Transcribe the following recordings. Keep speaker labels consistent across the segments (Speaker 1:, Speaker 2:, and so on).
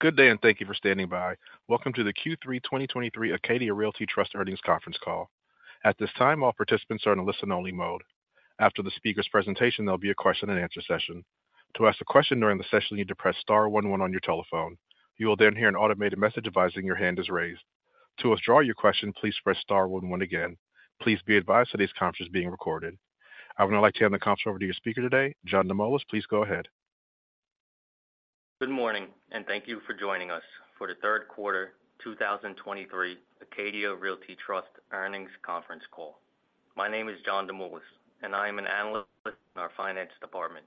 Speaker 1: Good day, and thank you for standing by. Welcome to the Q3 2023 Acadia Realty Trust Earnings Conference Call. At this time, all participants are in a listen-only mode. After the speaker's presentation, there'll be a question-and-answer session. To ask a question during the session, you need to press star one one on your telephone. You will then hear an automated message advising your hand is raised. To withdraw your question, please press star one one again. Please be advised that this conference is being recorded. I would now like to hand the conference over to your speaker today, John DeMoulas. Please go ahead.
Speaker 2: Good morning, and thank you for joining us for the third quarter 2023 Acadia Realty Trust Earnings Conference Call. My name is John Demoulas, and I am an analyst in our finance department.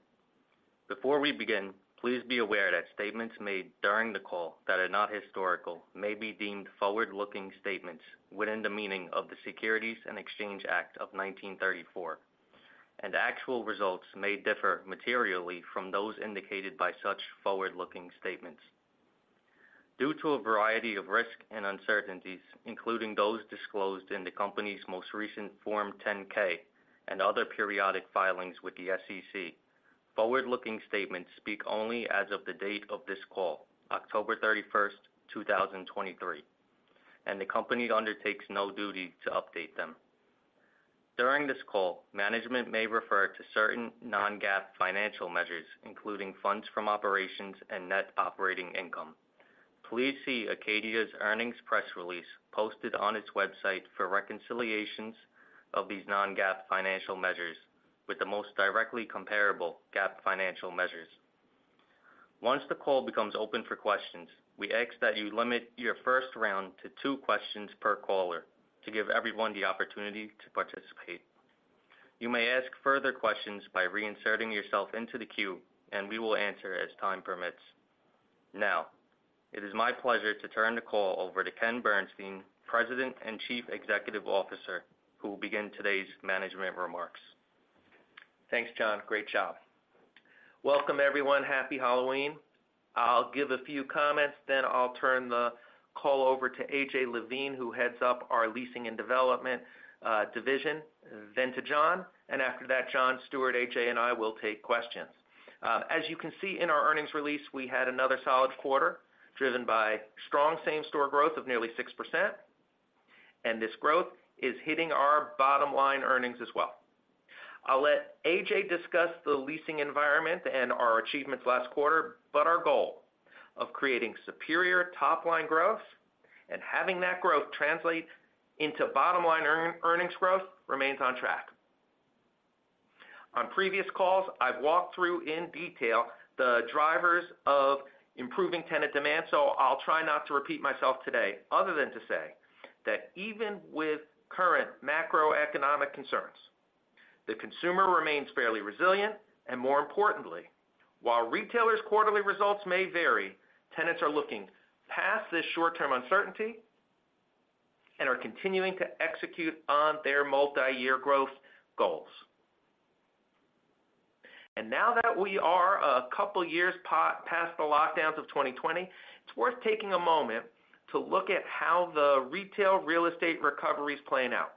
Speaker 2: Before we begin, please be aware that statements made during the call that are not historical may be deemed forward-looking statements within the meaning of the Securities and Exchange Act of 1934, and actual results may differ materially from those indicated by such forward-looking statements. Due to a variety of risks and uncertainties, including those disclosed in the company's most recent Form 10-K and other periodic filings with the SEC, forward-looking statements speak only as of the date of this call, October 31, 2023, and the company undertakes no duty to update them. During this call, management may refer to certain non-GAAP financial measures, including funds from operations and net operating income. Please see Acadia's earnings press release posted on its website for reconciliations of these non-GAAP financial measures with the most directly comparable GAAP financial measures. Once the call becomes open for questions, we ask that you limit your first round to two questions per caller to give everyone the opportunity to participate. You may ask further questions by reinserting yourself into the queue, and we will answer as time permits. Now, it is my pleasure to turn the call over to Ken Bernstein, President and Chief Executive Officer, who will begin today's management remarks.
Speaker 3: Thanks, John. Great job. Welcome, everyone. Happy Halloween. I'll give a few comments, then I'll turn the call over to A.J. Levine, who heads up our leasing and development division, then to John. After that, John, Stuart, A.J., and I will take questions. As you can see in our earnings release, we had another solid quarter driven by strong same-store growth of nearly 6%, and this growth is hitting our bottom line earnings as well. I'll let A.J. discuss the leasing environment and our achievements last quarter, but our goal of creating superior top-line growth and having that growth translate into bottom-line earnings growth remains on track. On previous calls, I've walked through in detail the drivers of improving tenant demand, so I'll try not to repeat myself today, other than to say that even with current macroeconomic concerns, the consumer remains fairly resilient, and more importantly, while retailers' quarterly results may vary, tenants are looking past this short-term uncertainty and are continuing to execute on their multi-year growth goals. And now that we are a couple of years past the lockdowns of 2020, it's worth taking a moment to look at how the retail real estate recovery is playing out.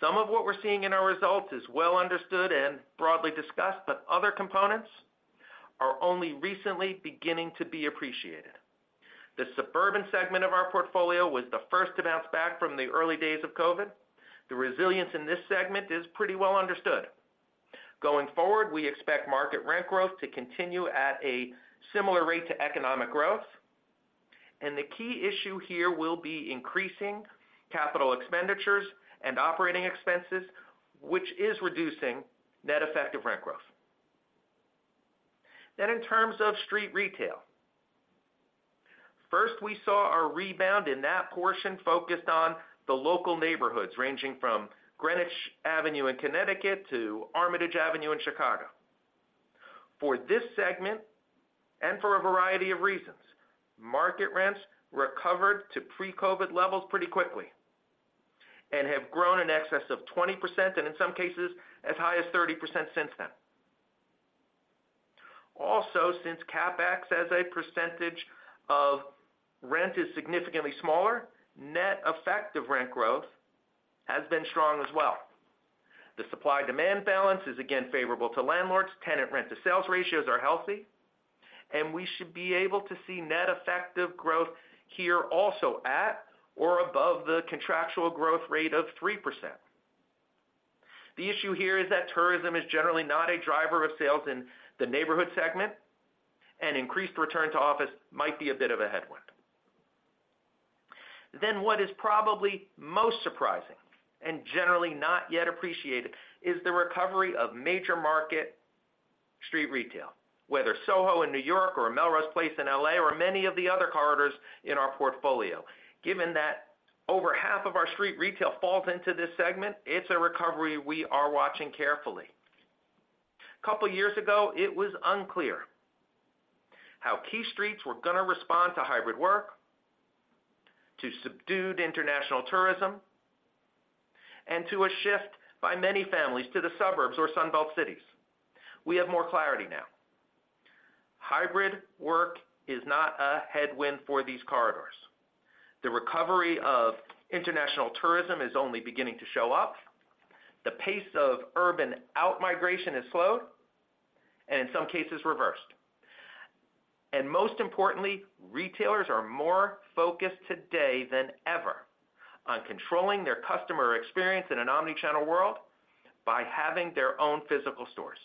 Speaker 3: Some of what we're seeing in our results is well understood and broadly discussed, but other components are only recently beginning to be appreciated. The suburban segment of our portfolio was the first to bounce back from the early days of COVID. The resilience in this segment is pretty well understood. Going forward, we expect market rent growth to continue at a similar rate to economic growth, and the key issue here will be increasing capital expenditures and operating expenses, which is reducing net effective rent growth. Then, in terms of street retail, first, we saw our rebound in that portion focused on the local neighborhoods, ranging from Greenwich Avenue in Connecticut to Armitage Avenue in Chicago. For this segment, and for a variety of reasons, market rents recovered to pre-COVID levels pretty quickly and have grown in excess of 20%, and in some cases, as high as 30% since then. Also, since CapEx as a percentage of rent is significantly smaller, net effect of rent growth has been strong as well. The supply-demand balance is again favorable to landlords. Tenant rent-to-sales ratios are healthy, and we should be able to see net effective growth here also at or above the contractual growth rate of 3%. The issue here is that tourism is generally not a driver of sales in the neighborhood segment, and increased return to office might be a bit of a headwind. Then what is probably most surprising and generally not yet appreciated is the recovery of major market street retail, whether SoHo in New York or Melrose Place in L.A. or many of the other corridors in our portfolio. Given that over half of our street retail falls into this segment, it's a recovery we are watching carefully. A couple of years ago, it was unclear how key streets were going to respond to hybrid work, to subdued international tourism, and to a shift by many families to the suburbs or Sun Belt cities. We have more clarity now. Hybrid work is not a headwind for these corridors. The recovery of international tourism is only beginning to show up. The pace of urban out-migration has slowed, and in some cases, reversed. And most importantly, retailers are more focused today than ever on controlling their customer experience in an omni-channel world by having their own physical stores.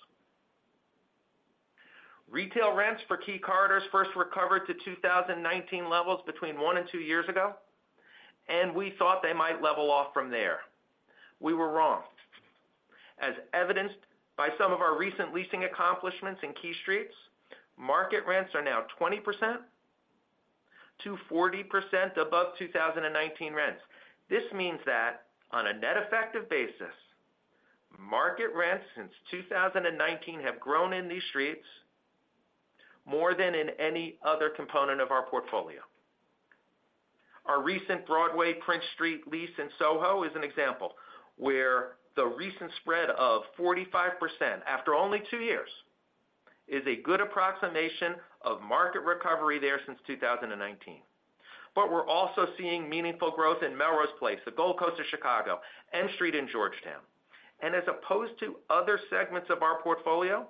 Speaker 3: Retail rents for key corridors first recovered to 2019 levels between one and two years ago, and we thought they might level off from there. We were wrong. As evidenced by some of our recent leasing accomplishments in key streets, market rents are now 20%-40% above 2019 rents. This means that on a net effective basis, market rents since 2019 have grown in these streets more than in any other component of our portfolio. Our recent Broadway Prince Street lease in SoHo is an example, where the recent spread of 45%, after only two years, is a good approximation of market recovery there since 2019. But we're also seeing meaningful growth in Melrose Place, the Gold Coast of Chicago, M Street in Georgetown. And as opposed to other segments of our portfolio,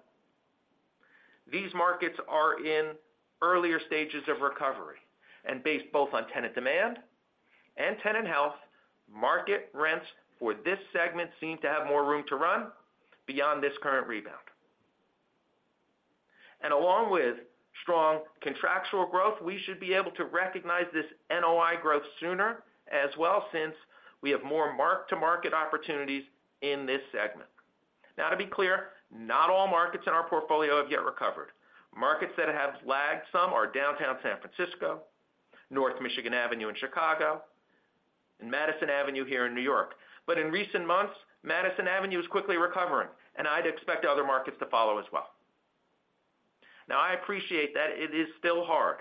Speaker 3: these markets are in earlier stages of recovery, and based both on tenant demand and tenant health, market rents for this segment seem to have more room to run beyond this current rebound. And along with strong contractual growth, we should be able to recognize this NOI growth sooner as well, since we have more mark-to-market opportunities in this segment. Now, to be clear, not all markets in our portfolio have yet recovered. Markets that have lagged some are downtown San Francisco, North Michigan Avenue in Chicago, and Madison Avenue here in New York. But in recent months, Madison Avenue is quickly recovering, and I'd expect other markets to follow as well. Now, I appreciate that it is still hard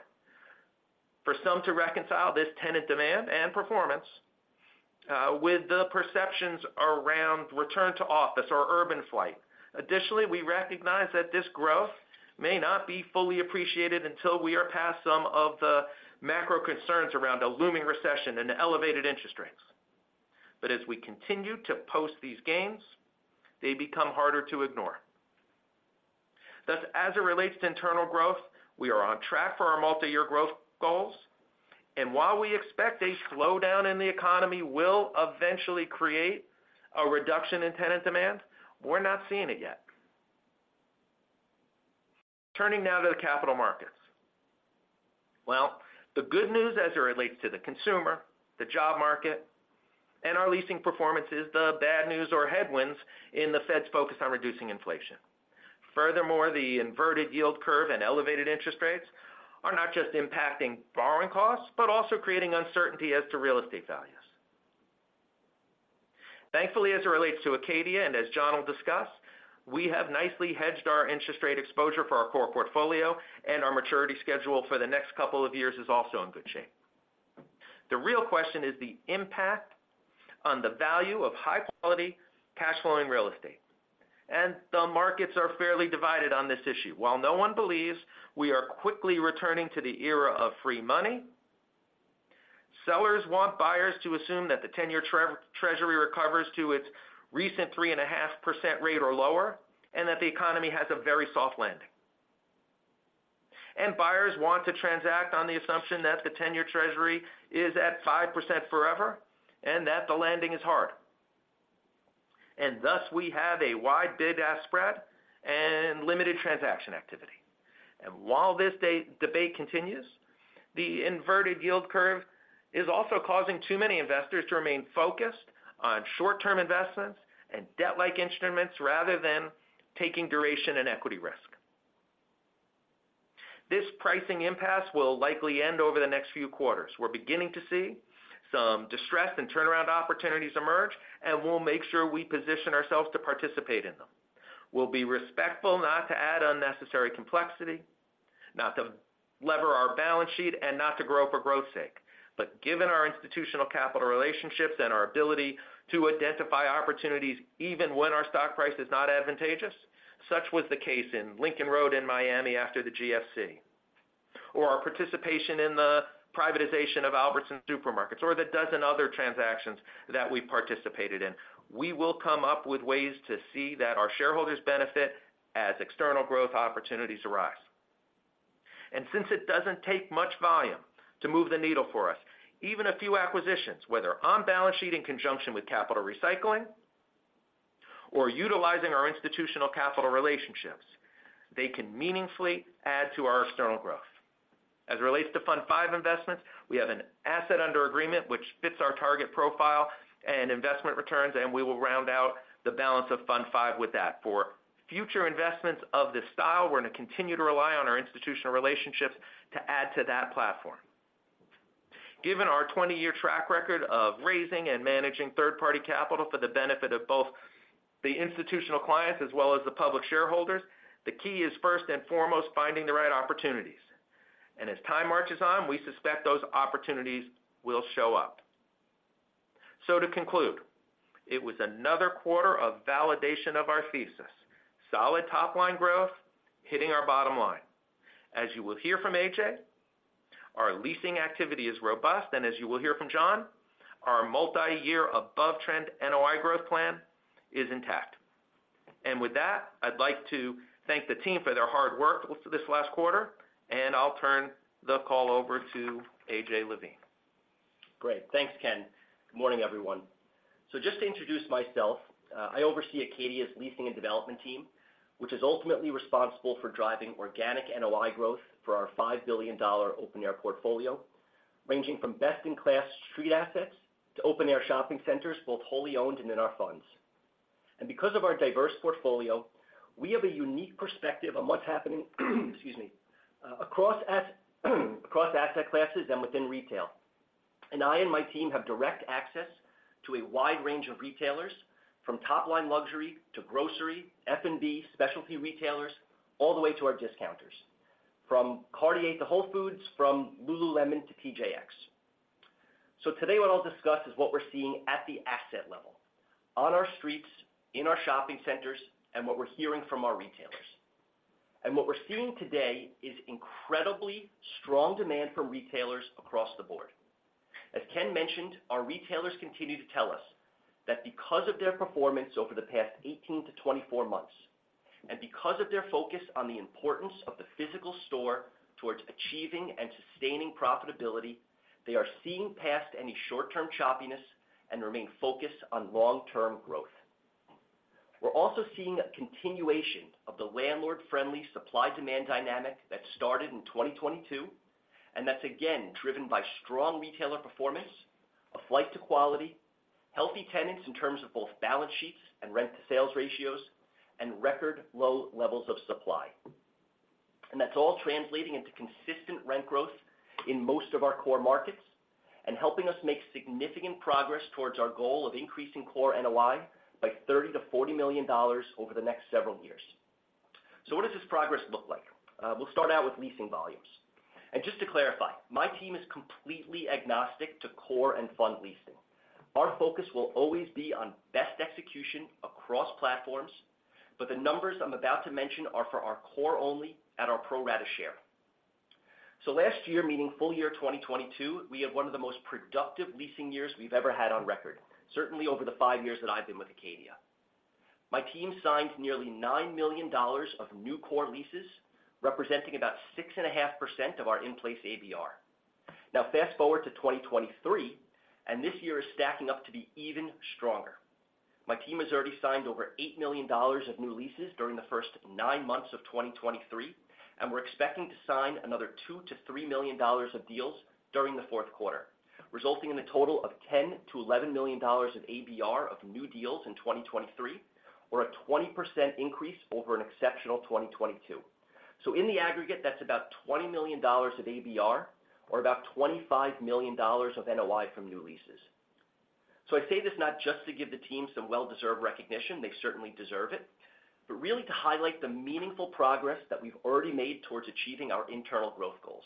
Speaker 3: for some to reconcile this tenant demand and performance, with the perceptions around return to office or urban flight. Additionally, we recognize that this growth may not be fully appreciated until we are past some of the macro concerns around a looming recession and elevated interest rates. But as we continue to post these gains, they become harder to ignore. Thus, as it relates to internal growth, we are on track for our multi-year growth goals, and while we expect a slowdown in the economy will eventually create a reduction in tenant demand, we're not seeing it yet. Turning now to the capital markets. Well, the good news as it relates to the consumer, the job market, and our leasing performance is the bad news or headwinds in the Fed's focus on reducing inflation. Furthermore, the inverted yield curve and elevated interest rates are not just impacting borrowing costs, but also creating uncertainty as to real estate values. Thankfully, as it relates to Acadia, and as John will discuss, we have nicely hedged our interest rate exposure for our core portfolio, and our maturity schedule for the next couple of years is also in good shape. The real question is the impact on the value of high-quality, cash flowing real estate, and the markets are fairly divided on this issue. While no one believes we are quickly returning to the era of free money, sellers want buyers to assume that the ten-year Treasury recovers to its recent 3.5% rate or lower, and that the economy has a very soft landing. And buyers want to transact on the assumption that the ten-year Treasury is at 5% forever and that the landing is hard. And thus, we have a wide bid-ask spread and limited transaction activity. And while this debate continues, the inverted yield curve is also causing too many investors to remain focused on short-term investments and debt-like instruments, rather than taking duration and equity risk. This pricing impasse will likely end over the next few quarters. We're beginning to see some distress and turnaround opportunities emerge, and we'll make sure we position ourselves to participate in them. We'll be respectful, not to add unnecessary complexity, not to leverage our balance sheet and not to grow for growth's sake. But given our institutional capital relationships and our ability to identify opportunities even when our stock price is not advantageous, such was the case in Lincoln Road in Miami after the GFC, or our participation in the privatization of Albertsons supermarkets, or the dozen other transactions that we participated in. We will come up with ways to see that our shareholders benefit as external growth opportunities arise. And since it doesn't take much volume to move the needle for us, even a few acquisitions, whether on balance sheet in conjunction with capital recycling or utilizing our institutional capital relationships, they can meaningfully add to our external growth. As it relates to Fund V investments, we have an asset under agreement which fits our target profile and investment returns, and we will round out the balance of Fund V with that. For future investments of this style, we're going to continue to rely on our institutional relationships to add to that platform. Given our 20-year track record of raising and managing third-party capital for the benefit of both the institutional clients as well as the public shareholders, the key is first and foremost, finding the right opportunities. And as time marches on, we suspect those opportunities will show up. So to conclude, it was another quarter of validation of our thesis. Solid top line growth, hitting our bottom line. As you will hear from A.J., our leasing activity is robust, and as you will hear from John, our multi-year above-trend NOI growth plan is intact. With that, I'd like to thank the team for their hard work over this last quarter, and I'll turn the call over to A.J. Levine.
Speaker 4: Great. Thanks, Ken. Good morning, everyone. So just to introduce myself, I oversee Acadia's leasing and development team, which is ultimately responsible for driving organic NOI growth for our $5 billion open-air portfolio, ranging from best-in-class street assets to open-air shopping centers, both wholly owned and in our funds. And because of our diverse portfolio, we have a unique perspective on what's happening across asset classes and within retail. And I and my team have direct access to a wide range of retailers, from top-line luxury to grocery, F&B, specialty retailers, all the way to our discounters. From Cartier to Whole Foods, from Lululemon to TJX. So today, what I'll discuss is what we're seeing at the asset level, on our streets, in our shopping centers, and what we're hearing from our retailers. What we're seeing today is incredibly strong demand from retailers across the board. As Ken mentioned, our retailers continue to tell us that because of their performance over the past 18-24 months, and because of their focus on the importance of the physical store towards achieving and sustaining profitability, they are seeing past any short-term choppiness and remain focused on long-term growth. We're also seeing a continuation of the landlord-friendly supply-demand dynamic that started in 2022, and that's again, driven by strong retailer performance, a flight to quality, healthy tenants in terms of both balance sheets and rent-to-sales ratios, and record low levels of supply. That's all translating into consistent rent growth in most of our core markets and helping us make significant progress towards our goal of increasing core NOI by $30-$40 million over the next several years. So what does this progress look like? We'll start out with leasing volumes. Just to clarify, my team is completely agnostic to core and fund leasing. Our focus will always be on best execution across platforms, but the numbers I'm about to mention are for our core only at our pro rata share. Last year, meaning full year 2022, we had one of the most productive leasing years we've ever had on record, certainly over the five years that I've been with Acadia. My team signed nearly $9 million of new core leases, representing about 6.5% of our in-place ABR. Now fast-forward to 2023, and this year is stacking up to be even stronger. My team has already signed over $8 million of new leases during the first nine months of 2023, and we're expecting to sign another $2 million-$3 million of deals during the fourth quarter, resulting in a total of $10 million-$11 million of ABR of new deals in 2023, or a 20% increase over an exceptional 2022. So in the aggregate, that's about $20 million of ABR or about $25 million of NOI from new leases. So I say this not just to give the team some well-deserved recognition, they certainly deserve it, but really to highlight the meaningful progress that we've already made towards achieving our internal growth goals.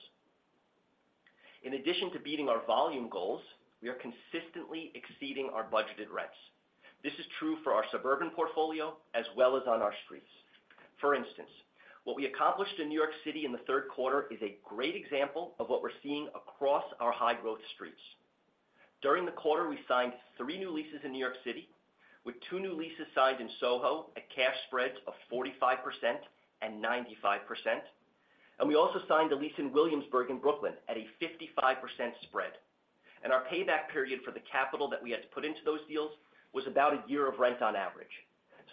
Speaker 4: In addition to beating our volume goals, we are consistently exceeding our budgeted rents. This is true for our suburban portfolio as well as on our streets. For instance, what we accomplished in New York City in the third quarter is a great example of what we're seeing across our high-growth streets. During the quarter, we signed three new leases in New York City, with two new leases signed in SoHo at cash spreads of 45% and 95%. We also signed a lease in Williamsburg, in Brooklyn, at a 55% spread. Our payback period for the capital that we had to put into those deals was about a year of rent on average.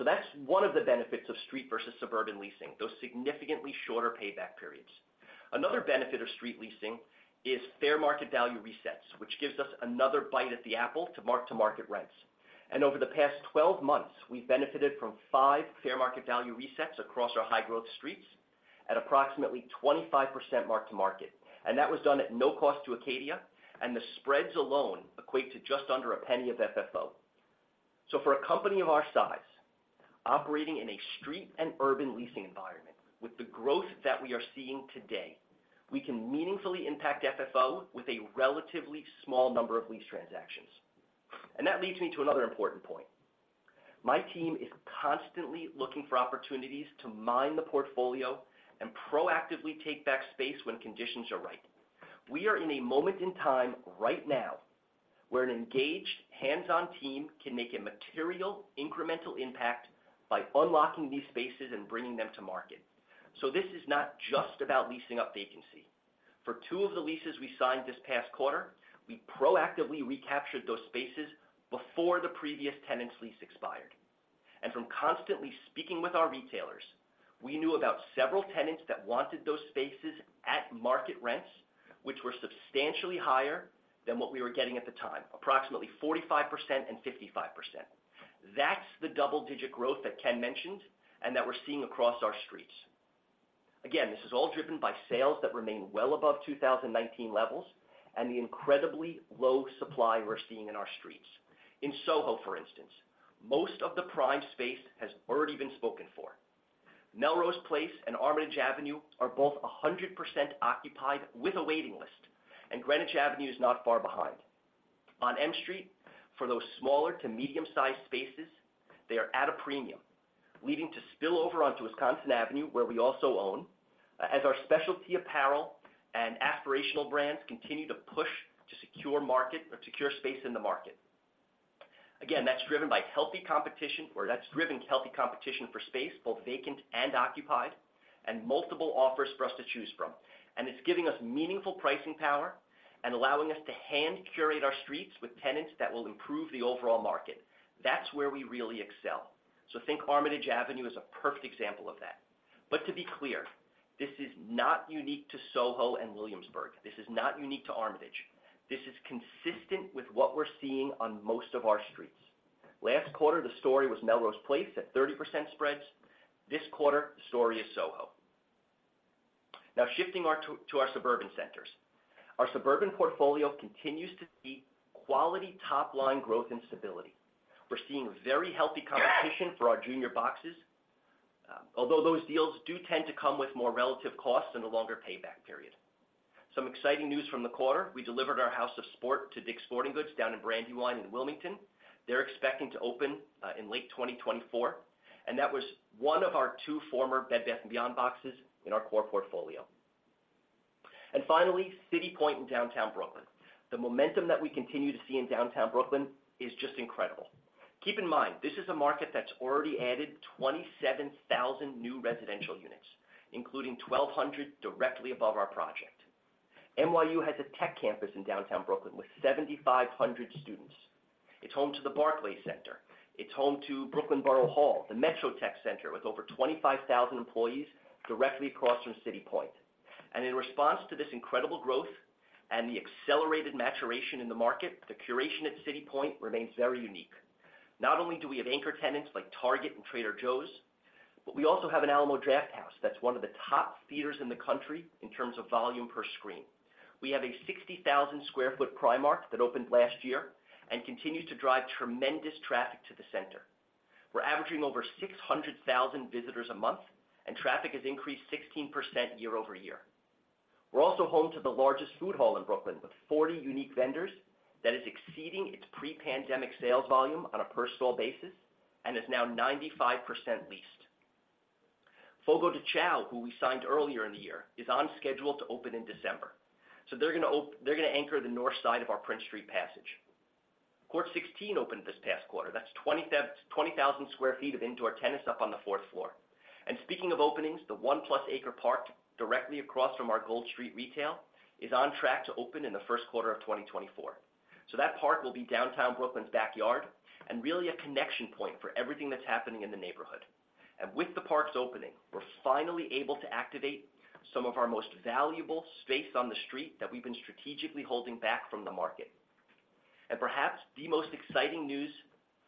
Speaker 4: That's one of the benefits of street versus suburban leasing, those significantly shorter payback periods. Another benefit of street leasing is fair market value resets, which gives us another bite at the apple to mark-to-market rents. Over the past 12 months, we've benefited from 5 fair market value resets across our high-growth streets at approximately 25% mark-to-market. That was done at no cost to Acadia, and the spreads alone equate to just under $0.01 of FFO. For a company of our size, operating in a street and urban leasing environment, with the growth that we are seeing today, we can meaningfully impact FFO with a relatively small number of lease transactions. That leads me to another important point. My team is constantly looking for opportunities to mine the portfolio and proactively take back space when conditions are right. We are in a moment in time, right now, where an engaged, hands-on team can make a material, incremental impact by unlocking these spaces and bringing them to market. This is not just about leasing up vacancy. For two of the leases we signed this past quarter, we proactively recaptured those spaces before the previous tenant's lease expired. From constantly speaking with our retailers, we knew about several tenants that wanted those spaces at market rents, which were substantially higher than what we were getting at the time, approximately 45% and 55%. That's the double-digit growth that Ken mentioned and that we're seeing across our streets. Again, this is all driven by sales that remain well above 2019 levels and the incredibly low supply we're seeing in our streets. In SoHo, for instance, most of the prime space has already been spoken for. Melrose Place and Armitage Avenue are both 100% occupied with a waiting list, and Greenwich Avenue is not far behind. On M Street, for those smaller to medium-sized spaces, they are at a premium, leading to spillover onto Wisconsin Avenue, where we also own, as our specialty apparel and aspirational brands continue to push to secure market or secure space in the market. Again, that's driven by healthy competition, or that's driven healthy competition for space, both vacant and occupied, and multiple offers for us to choose from. And it's giving us meaningful pricing power and allowing us to hand-curate our streets with tenants that will improve the overall market. That's where we really excel. So think Armitage Avenue is a perfect example of that. But to be clear, this is not unique to SoHo and Williamsburg. This is not unique to Armitage. This is consistent with what we're seeing on most of our streets. Last quarter, the story was Melrose Place at 30% spreads. This quarter, the story is SoHo. Now, shifting to our suburban centers. Our suburban portfolio continues to see quality top line growth and stability. We're seeing very healthy competition for our junior boxes, although those deals do tend to come with more relative costs and a longer payback period. Some exciting news from the quarter, we delivered our House of Sport to Dick's Sporting Goods down in Brandywine in Wilmington. They're expecting to open in late 2024, and that was one of our two former Bed Bath & Beyond boxes in our core portfolio. Finally, City Point in downtown Brooklyn. The momentum that we continue to see in downtown Brooklyn is just incredible. Keep in mind, this is a market that's already added 27,000 new residential units, including 1,200 directly above our project. NYU has a tech campus in downtown Brooklyn with 7,500 students. It's home to the Barclays Center. It's home to Brooklyn Borough Hall, the MetroTech Center, with over 25,000 employees directly across from City Point. And in response to this incredible growth and the accelerated maturation in the market, the curation at City Point remains very unique. Not only do we have anchor tenants like Target and Trader Joe's, but we also have an Alamo Drafthouse that's one of the top theaters in the country in terms of volume per screen. We have a 60,000 sq ft Primark that opened last year and continues to drive tremendous traffic to the center. We're averaging over 600,000 visitors a month, and traffic has increased 16% year-over-year. We're also home to the largest food hall in Brooklyn, with 40 unique vendors, that is exceeding its pre-pandemic sales volume on a personal basis and is now 95% leased. Fogo de Chão, who we signed earlier in the year, is on schedule to open in December, so they're going to anchor the north side of our Prince Street Passage. Court 16 opened this past quarter. That's 20,000 sq ft of indoor tennis up on the fourth floor. And speaking of openings, the one plus acre park directly across from our Gold Street retail is on track to open in the first quarter of 2024. So that park will be downtown Brooklyn's backyard and really a connection point for everything that's happening in the neighborhood. With the park's opening, we're finally able to activate some of our most valuable space on the street that we've been strategically holding back from the market. Perhaps the most exciting news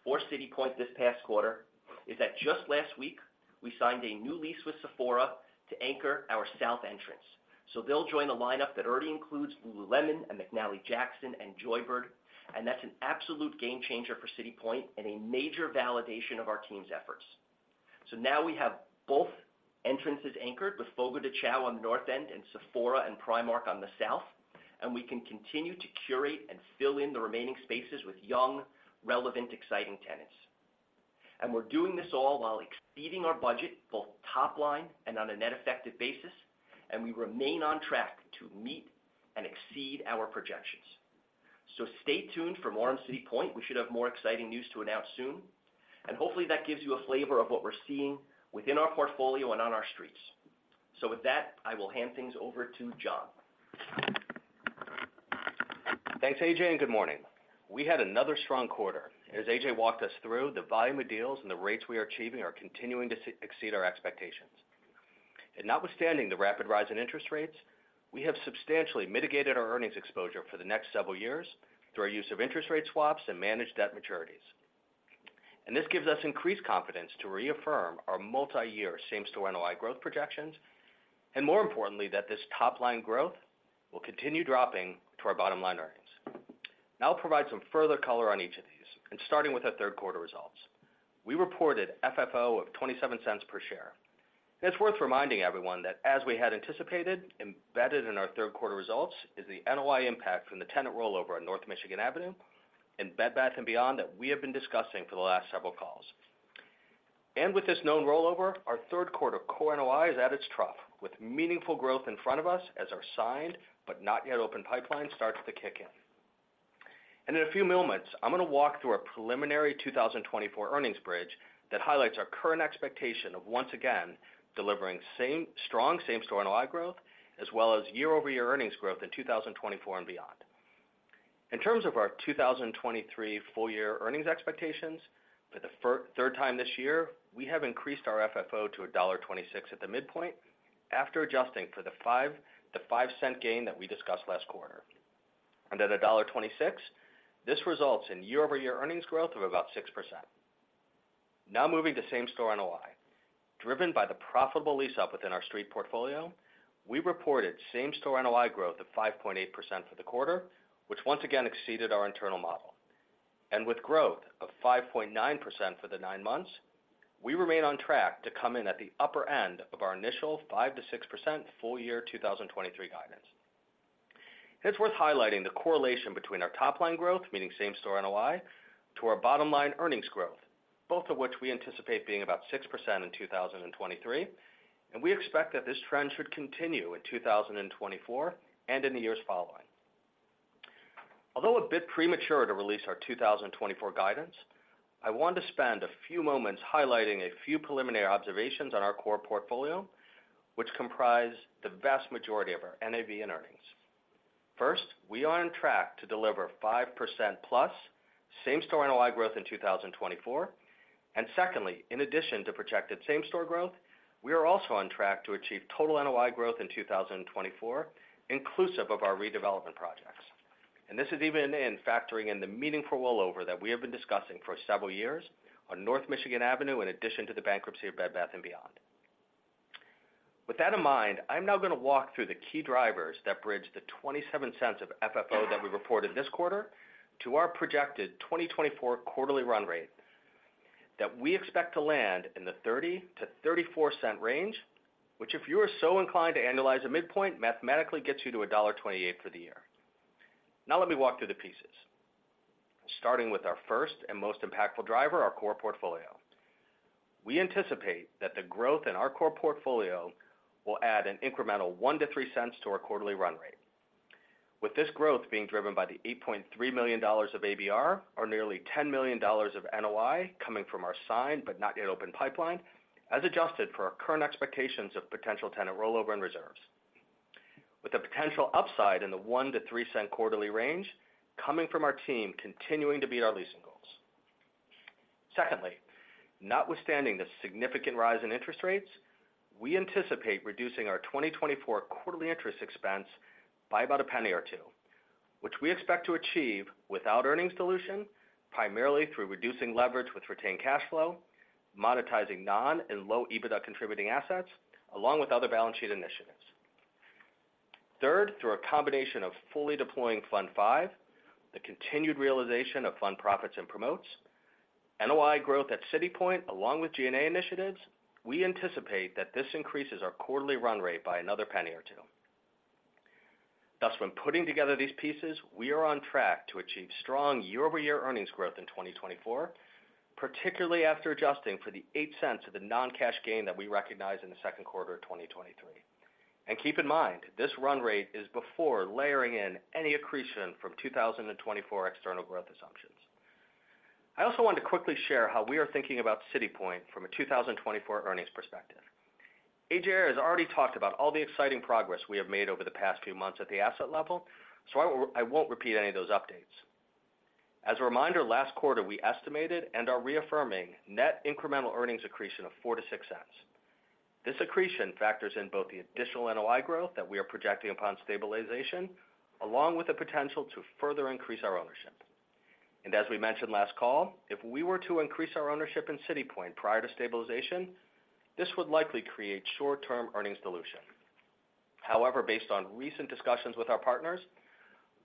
Speaker 4: for City Point this past quarter is that just last week, we signed a new lease with Sephora to anchor our south entrance. They'll join a lineup that already includes Lululemon and McNally Jackson and Joybird, and that's an absolute game changer for City Point and a major validation of our team's efforts. Now we have both entrances anchored with Fogo de Chão on the north end and Sephora and Primark on the south, and we can continue to curate and fill in the remaining spaces with young, relevant, exciting tenants. We're doing this all while exceeding our budget, both top line and on a net effective basis, and we remain on track to meet and exceed our projections. Stay tuned for more on City Point. We should have more exciting news to announce soon, and hopefully, that gives you a flavor of what we're seeing within our portfolio and on our streets. With that, I will hand things over to John.
Speaker 5: Thanks, A.J., and good morning. We had another strong quarter. As A.J. walked us through, the volume of deals and the rates we are achieving are continuing to exceed our expectations. Notwithstanding the rapid rise in interest rates, we have substantially mitigated our earnings exposure for the next several years through our use of interest rate swaps and managed debt maturities. This gives us increased confidence to reaffirm our multi-year same-store NOI growth projections, and more importantly, that this top line growth will continue dropping to our bottom line earnings. Now I'll provide some further color on each of these, and starting with our third quarter results. We reported FFO of $0.27 per share. It's worth reminding everyone that, as we had anticipated, embedded in our third quarter results is the NOI impact from the tenant rollover on North Michigan Avenue and Bed Bath & Beyond, that we have been discussing for the last several calls. With this known rollover, our third quarter core NOI is at its trough, with meaningful growth in front of us as our signed, but not yet open pipeline starts to kick in. In a few moments, I'm going to walk through a preliminary 2024 earnings bridge that highlights our current expectation of, once again, delivering strong same-store NOI growth, as well as year-over-year earnings growth in 2024 and beyond. In terms of our 2023 full year earnings expectations, for the third time this year, we have increased our FFO to $1.26 at the midpoint, after adjusting for the $0.05 gain that we discussed last quarter. And at $1.26, this results in year-over-year earnings growth of about 6%. Now moving to same-store NOI. Driven by the profitable lease up within our street portfolio, we reported same-store NOI growth of 5.8% for the quarter, which once again exceeded our internal model.... And with growth of 5.9% for the 9 months, we remain on track to come in at the upper end of our initial 5%-6% full year 2023 guidance. It's worth highlighting the correlation between our top line growth, meaning same-store NOI, to our bottom line earnings growth, both of which we anticipate being about 6% in 2023. We expect that this trend should continue in 2024 and in the years following. Although a bit premature to release our 2024 guidance, I want to spend a few moments highlighting a few preliminary observations on our core portfolio, which comprise the vast majority of our NAV and earnings. First, we are on track to deliver 5%+ same-store NOI growth in 2024. Secondly, in addition to projected same-store growth, we are also on track to achieve total NOI growth in 2024, inclusive of our redevelopment projects. This is even in factoring in the meaningful well over that we have been discussing for several years on North Michigan Avenue, in addition to the bankruptcy of Bed Bath & Beyond. With that in mind, I'm now going to walk through the key drivers that bridge the $0.27 of FFO that we reported this quarter to our projected 2024 quarterly run rate, that we expect to land in the $0.30-$0.34 range, which, if you are so inclined to annualize a midpoint, mathematically gets you to $1.28 for the year. Now let me walk through the pieces. Starting with our first and most impactful driver, our core portfolio. We anticipate that the growth in our core portfolio will add an incremental 1-3 cents to our quarterly run rate, with this growth being driven by the $8.3 million of ABR, or nearly $10 million of NOI coming from our signed but not yet open pipeline, as adjusted for our current expectations of potential tenant rollover and reserves. With a potential upside in the 1-3 cent quarterly range coming from our team, continuing to beat our leasing goals. Secondly, notwithstanding the significant rise in interest rates, we anticipate reducing our 2024 quarterly interest expense by about 1 cent or 2 cents, which we expect to achieve without earnings dilution, primarily through reducing leverage with retained cash flow, monetizing non- and low-EBITDA contributing assets, along with other balance sheet initiatives. Third, through a combination of fully deploying Fund V, the continued realization of fund profits and promotes, NOI growth at City Point, along with G&A initiatives, we anticipate that this increases our quarterly run rate by another $0.01-$0.02. Thus, when putting together these pieces, we are on track to achieve strong year-over-year earnings growth in 2024, particularly after adjusting for the $0.08 of the non-cash gain that we recognized in the second quarter of 2023. And keep in mind, this run rate is before layering in any accretion from 2024 external growth assumptions. I also want to quickly share how we are thinking about City Point from a 2024 earnings perspective. A.J. has already talked about all the exciting progress we have made over the past few months at the asset level, so I won't repeat any of those updates. As a reminder, last quarter, we estimated and are reaffirming net incremental earnings accretion of $0.04-$0.06. This accretion factors in both the additional NOI growth that we are projecting upon stabilization, along with the potential to further increase our ownership. And as we mentioned last call, if we were to increase our ownership in City Point prior to stabilization, this would likely create short-term earnings dilution. However, based on recent discussions with our partners,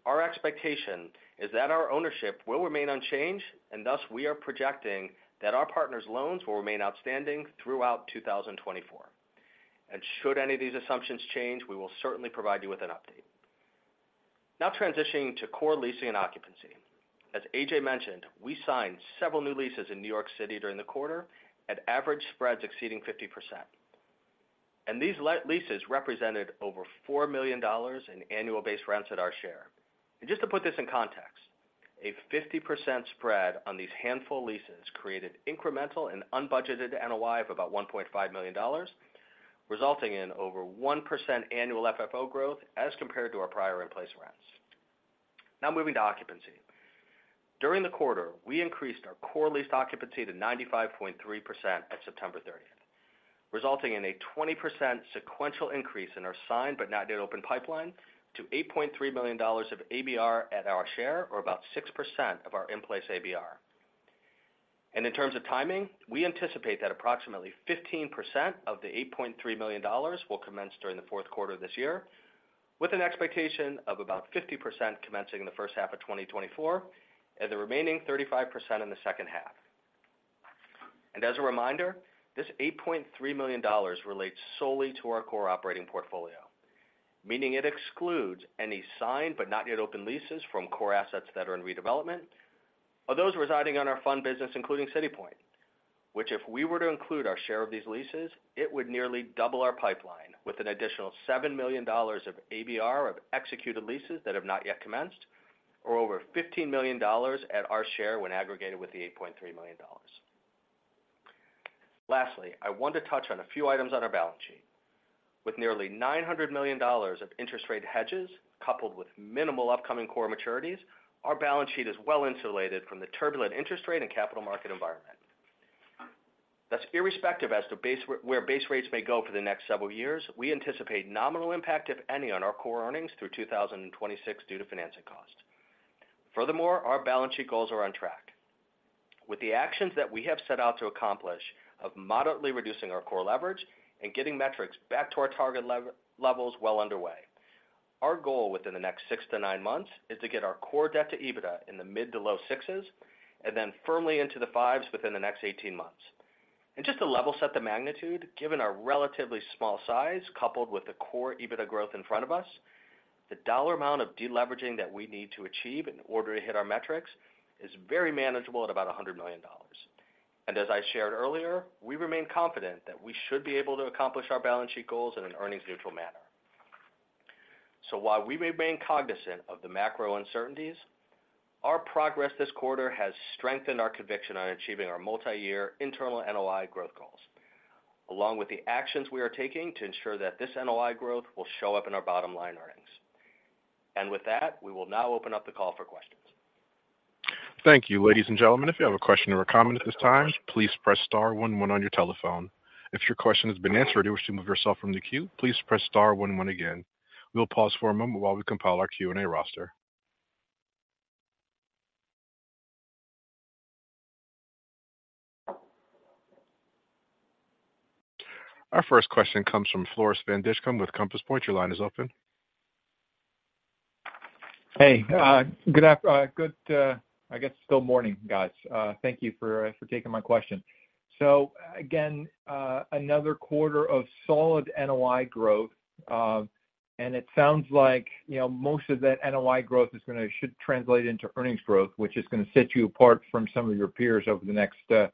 Speaker 5: our expectation is that our ownership will remain unchanged, and thus, we are projecting that our partners' loans will remain outstanding throughout 2024. And should any of these assumptions change, we will certainly provide you with an update. Now transitioning to core leasing and occupancy. As A.J. mentioned, we signed several new leases in New York City during the quarter at average spreads exceeding 50%. These leases represented over $4 million in annual base rents at our share. Just to put this in context, a 50% spread on these handful of leases created incremental and unbudgeted NOI of about $1.5 million, resulting in over 1% annual FFO growth as compared to our prior in-place rents. Now moving to occupancy. During the quarter, we increased our core lease occupancy to 95.3% at September thirtieth, resulting in a 20% sequential increase in our signed but not yet open pipeline to $8.3 million of ABR at our share, or about 6% of our in-place ABR. In terms of timing, we anticipate that approximately 15% of the $8.3 million will commence during the fourth quarter of this year, with an expectation of about 50% commencing in the first half of 2024, and the remaining 35% in the second half. As a reminder, this $8.3 million relates solely to our core operating portfolio, meaning it excludes any signed but not yet open leases from core assets that are in redevelopment, or those residing on our fund business, including City Point, which, if we were to include our share of these leases, it would nearly double our pipeline with an additional $7 million of ABR of executed leases that have not yet commenced, or over $15 million at our share when aggregated with the $8.3 million. Lastly, I want to touch on a few items on our balance sheet. With nearly $900 million of interest rate hedges, coupled with minimal upcoming core maturities, our balance sheet is well insulated from the turbulent interest rate and capital market environment. Thus, irrespective as to where base rates may go for the next several years, we anticipate nominal impact, if any, on our core earnings through 2026 due to financing costs. Furthermore, our balance sheet goals are on track....
Speaker 3: With the actions that we have set out to accomplish of moderately reducing our core leverage and getting metrics back to our target levels well underway. Our goal within the next 6-9 months is to get our core debt-to-EBITDA in the mid- to low-sixes, and then firmly into the fives within the next 18 months. And just to level set the magnitude, given our relatively small size, coupled with the core EBITDA growth in front of us, the dollar amount of deleveraging that we need to achieve in order to hit our metrics is very manageable at about $100 million. And as I shared earlier, we remain confident that we should be able to accomplish our balance sheet goals in an earnings-neutral manner. So while we remain cognizant of the macro uncertainties, our progress this quarter has strengthened our conviction on achieving our multi-year internal NOI growth goals, along with the actions we are taking to ensure that this NOI growth will show up in our bottom line earnings. With that, we will now open up the call for questions.
Speaker 1: Thank you. Ladies and gentlemen, if you have a question or a comment at this time, please press star one one on your telephone. If your question has been answered, or you wish to move yourself from the queue, please press star one one again. We'll pause for a moment while we compile our Q&A roster. Our first question comes from Floris van Dijkum with Compass Point. Your line is open.
Speaker 6: Hey, good morning, guys. Thank you for taking my question. So again, another quarter of solid NOI growth. And it sounds like, you know, most of that NOI growth should translate into earnings growth, which is gonna set you apart from some of your peers over the next, you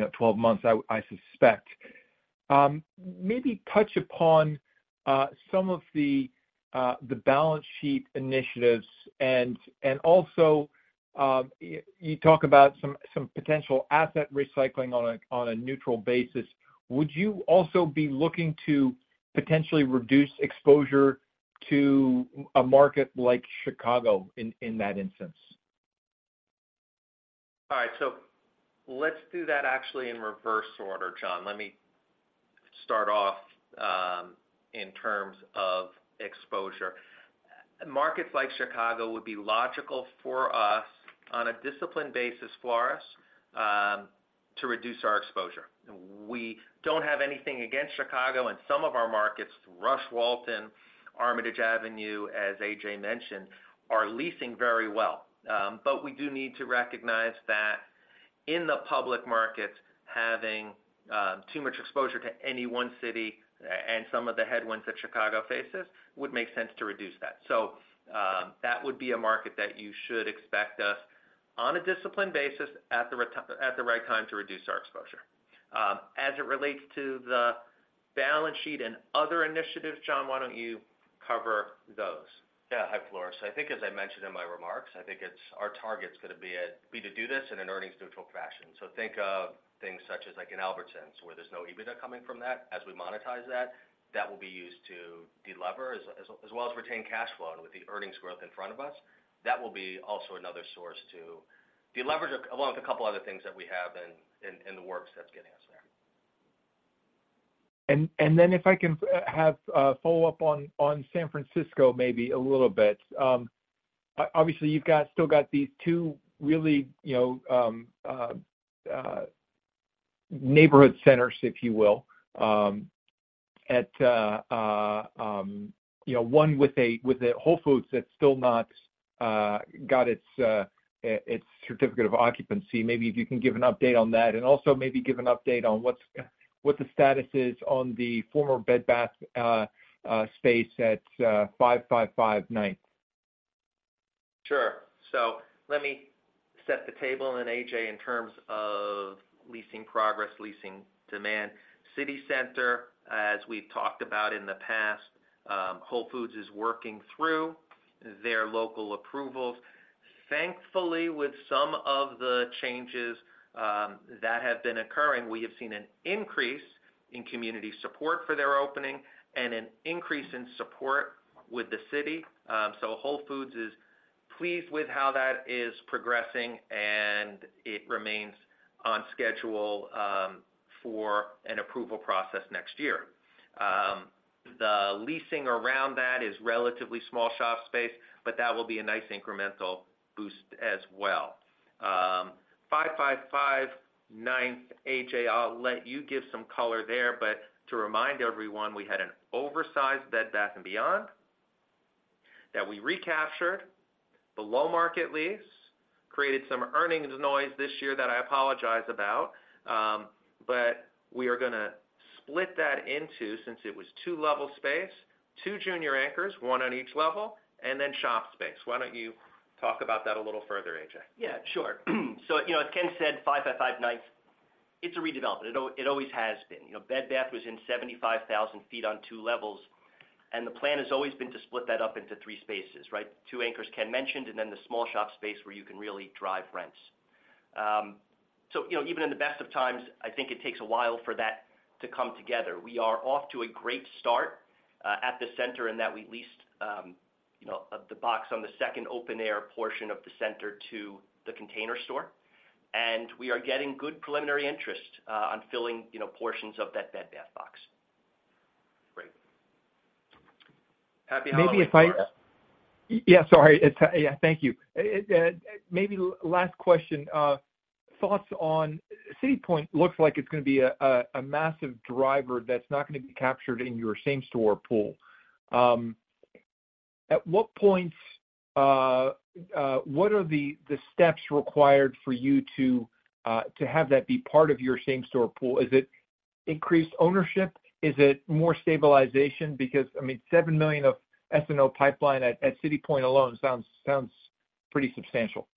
Speaker 6: know, 12 months, I suspect. Maybe touch upon some of the balance sheet initiatives. And also, you talk about some potential asset recycling on a neutral basis. Would you also be looking to potentially reduce exposure to a market like Chicago in that instance?
Speaker 3: All right. So let's do that actually in reverse order, John. Let me start off in terms of exposure. Markets like Chicago would be logical for us on a disciplined basis, Floris, to reduce our exposure. We don't have anything against Chicago, and some of our markets, Rush Walton, Armitage Avenue, as A.J. mentioned, are leasing very well. But we do need to recognize that in the public market, having too much exposure to any one city and some of the headwinds that Chicago faces would make sense to reduce that. So that would be a market that you should expect us, on a disciplined basis, at the right time, to reduce our exposure. As it relates to the balance sheet and other initiatives, John, why don't you cover those?
Speaker 4: Yeah. Hi, Floris. I think as I mentioned in my remarks, I think it's our target's gonna be to do this in an earnings-neutral fashion. So think of things such as like in Albertsons, where there's no EBITDA coming from that. As we monetize that, that will be used to deliver as well as retain cash flow. And with the earnings growth in front of us, that will be also another source to deleverage, along with a couple other things that we have in the works that's getting us there.
Speaker 6: And then if I can have a follow-up on San Francisco, maybe a little bit. Obviously, you've still got these two really, you know, neighborhood centers, if you will, at, you know, one with a Whole Foods that's still not got its certificate of occupancy. Maybe if you can give an update on that and also maybe give an update on what the status is on the former Bed Bath space at 555 Ninth.
Speaker 3: Sure. So let me set the table and then AJ, in terms of leasing progress, leasing demand. City Center, as we've talked about in the past, Whole Foods is working through their local approvals. Thankfully, with some of the changes that have been occurring, we have seen an increase in community support for their opening and an increase in support with the city. So Whole Foods is pleased with how that is progressing, and it remains on schedule for an approval process next year. The leasing around that is relatively small shop space, but that will be a nice incremental boost as well. 555 Ninth, AJ, I'll let you give some color there, but to remind everyone, we had an oversized Bed Bath & Beyond that we recaptured. The low market lease created some earnings noise this year that I apologize about, but we are gonna split that into, since it was two-level space, two junior anchors, one on each level, and then shop space. Why don't you talk about that a little further, A.J.?
Speaker 4: Yeah, sure. So, you know, as Ken said, 555 Ninth, it's a redevelopment. It always has been. You know, Bed Bath was in 75,000 sq ft on two levels, and the plan has always been to split that up into three spaces, right? Two anchors Ken mentioned, and then the small shop space where you can really drive rents. So, you know, even in the best of times, I think it takes a while for that to come together. We are off to a great start at the center in that we leased you know, the box on the second open-air portion of the center to The Container Store, and we are getting good preliminary interest on filling, you know, portions of that Bed Bath box....
Speaker 6: Maybe yeah, sorry. It's yeah, thank you. Maybe last question. Thoughts on City Point? Looks like it's gonna be a massive driver that's not gonna be captured in your same-store pool. At what point, what are the steps required for you to have that be part of your same-store pool? Is it increased ownership? Is it more stabilization? Because, I mean, 7 million of SNO pipeline at City Point alone sounds pretty substantial.
Speaker 5: Yeah,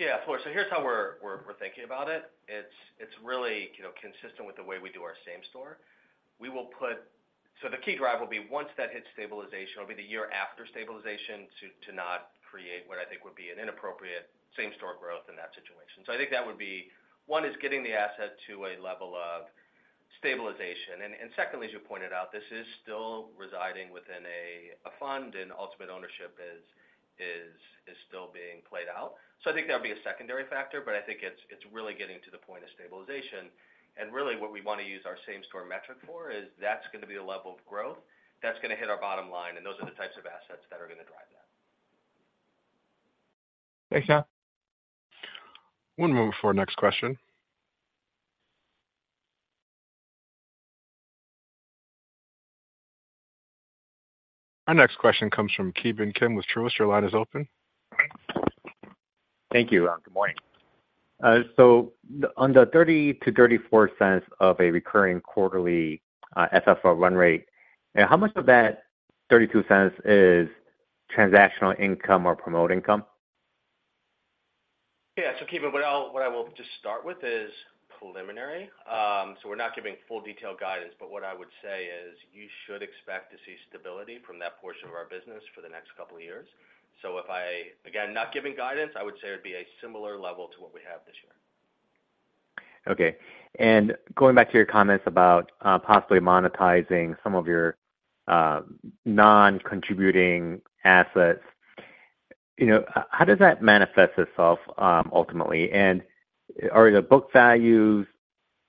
Speaker 5: sure. So here's how we're thinking about it. It's really, you know, consistent with the way we do our same-store. We will put. So the key driver will be once that hits stabilization, it'll be the year after stabilization to not create what I think would be an inappropriate same-store growth in that situation. So I think that would be, one, is getting the asset to a level of stabilization. And secondly, as you pointed out, this is still residing within a fund, and ultimate ownership is still being played out. So I think that'll be a secondary factor, but I think it's really getting to the point of stabilization. And really, what we want to use our same-store metric for is that's gonna be the level of growth that's gonna hit our bottom line, and those are the types of assets that are gonna drive that.
Speaker 6: Thanks, yeah.
Speaker 1: One moment for our next question. Our next question comes from Ki Bin Kim with Truist. Your line is open.
Speaker 7: Thank you. Good morning. On the $0.30-$0.34 of a recurring quarterly FFO run rate, how much of that $0.32 is transactional income or promote income?
Speaker 5: Yeah, so Ki Bin, what I'll—what I will just start with is preliminary. So we're not giving full detailed guidance, but what I would say is you should expect to see stability from that portion of our business for the next couple of years. So if I, again, not giving guidance, I would say it'd be a similar level to what we have this year.
Speaker 7: Okay. Going back to your comments about possibly monetizing some of your non-contributing assets, you know, how does that manifest itself ultimately? Are the book values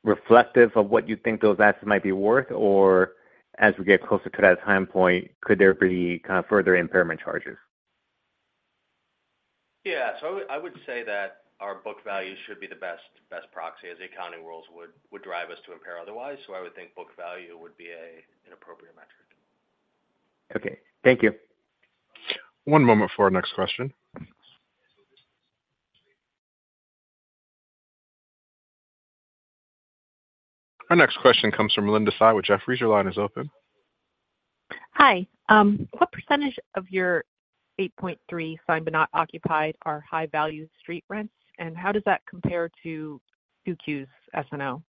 Speaker 7: reflective of what you think those assets might be worth? Or as we get closer to that time point, could there be kind of further impairment charges?
Speaker 5: Yeah. So I would say that our book value should be the best proxy, as accounting rules would drive us to impair otherwise. So I would think book value would be an appropriate metric.
Speaker 7: Okay, thank you.
Speaker 1: One moment for our next question. Our next question comes from Linda Tsai with Jefferies. Your line is open.
Speaker 8: Hi. What percentage of your 8.3 signed but not occupied are high-value street rents, and how does that compare to 2Q's S&O?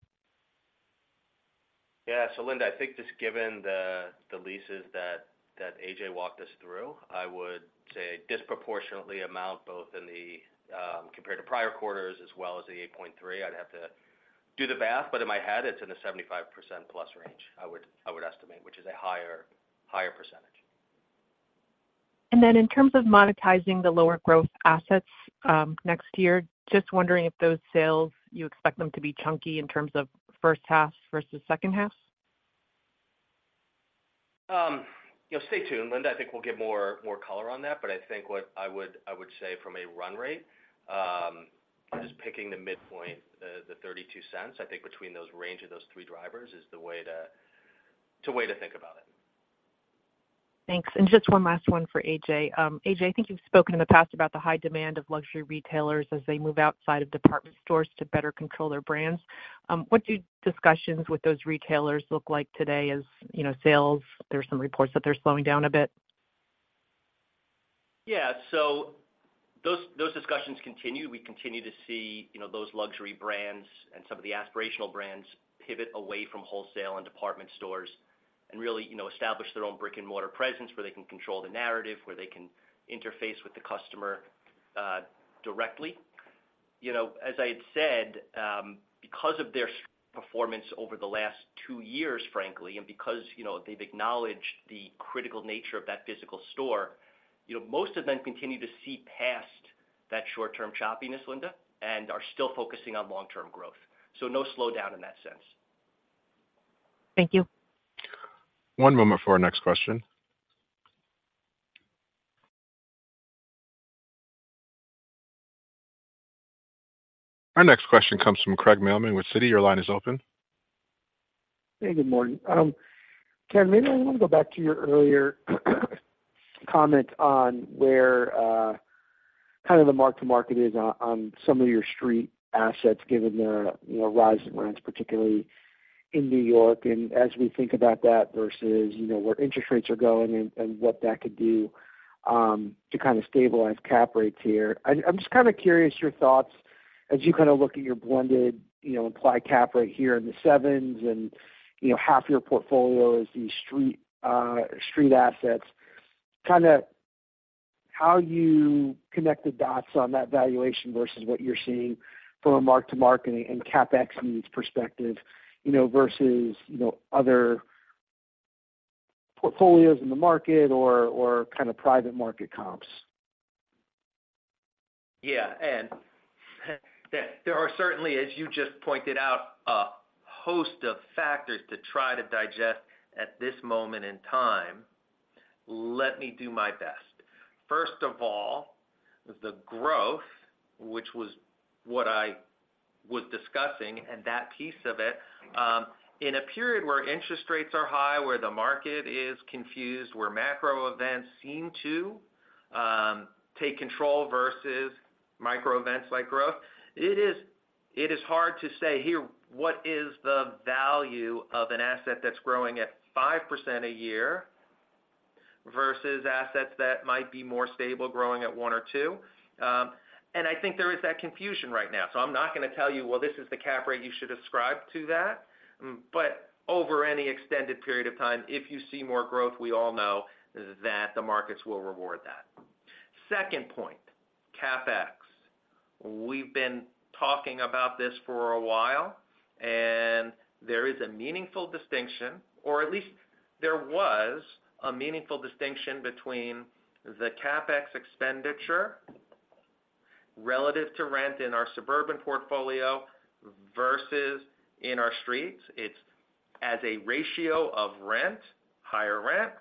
Speaker 5: Yeah, so Linda, I think just given the leases that AJ walked us through, I would say disproportionately amount, both in the compared to prior quarters as well as the 8.3. I'd have to do the math, but in my head, it's in the 75% plus range, I would estimate, which is a higher percentage.
Speaker 8: Then in terms of monetizing the lower growth assets, next year, just wondering if those sales, you expect them to be chunky in terms of first half versus second half?
Speaker 5: You know, stay tuned, Linda. I think we'll get more, more color on that, but I think what I would, I would say from a run rate, just picking the midpoint, the $0.32, I think between those range of those three drivers is the way to, it's a way to think about it.
Speaker 8: Thanks. And just one last one for A.J. A.J., I think you've spoken in the past about the high demand of luxury retailers as they move outside of department stores to better control their brands. What do discussions with those retailers look like today as, you know, sales? There are some reports that they're slowing down a bit.
Speaker 6: Yeah. So those discussions continue. We continue to see, you know, those luxury brands and some of the aspirational brands pivot away from wholesale and department stores and really, you know, establish their own brick-and-mortar presence, where they can control the narrative, where they can interface with the customer directly. You know, as I had said, because of their performance over the last two years, frankly, and because, you know, they've acknowledged the critical nature of that physical store, you know, most of them continue to see past that short-term choppiness, Linda, and are still focusing on long-term growth. So no slowdown in that sense.
Speaker 8: Thank you.
Speaker 1: One moment for our next question. Our next question comes from Craig Mailman with Citi. Your line is open.
Speaker 9: Hey, good morning. Ken, maybe I want to go back to your earlier comment on where kind of the mark-to-market is on some of your street assets, given the, you know, rise in rents, particularly in New York, and as we think about that versus, you know, where interest rates are going and what that could do to kind of stabilize cap rates here. I'm just kind of curious your thoughts as you kind of look at your blended, you know, implied cap rate here in the sevens, and, you know, half your portfolio is these street street assets. Kind of how you connect the dots on that valuation versus what you're seeing from a mark-to-market and CapEx needs perspective, you know, versus, you know, other portfolios in the market or kind of private market comps?...
Speaker 3: Yeah, and there are certainly, as you just pointed out, a host of factors to try to digest at this moment in time. Let me do my best. First of all, the growth, which was what I was discussing, and that piece of it, in a period where interest rates are high, where the market is confused, where macro events seem to take control versus micro events like growth, it is hard to say here, what is the value of an asset that's growing at 5% a year, versus assets that might be more stable, growing at one or two? And I think there is that confusion right now. So I'm not gonna tell you, "Well, this is the cap rate you should ascribe to that." But over any extended period of time, if you see more growth, we all know that the markets will reward that. Second point, CapEx. We've been talking about this for a while, and there is a meaningful distinction, or at least there was a meaningful distinction between the CapEx expenditure relative to rent in our suburban portfolio, versus in our streets. It's as a ratio of rent, higher rent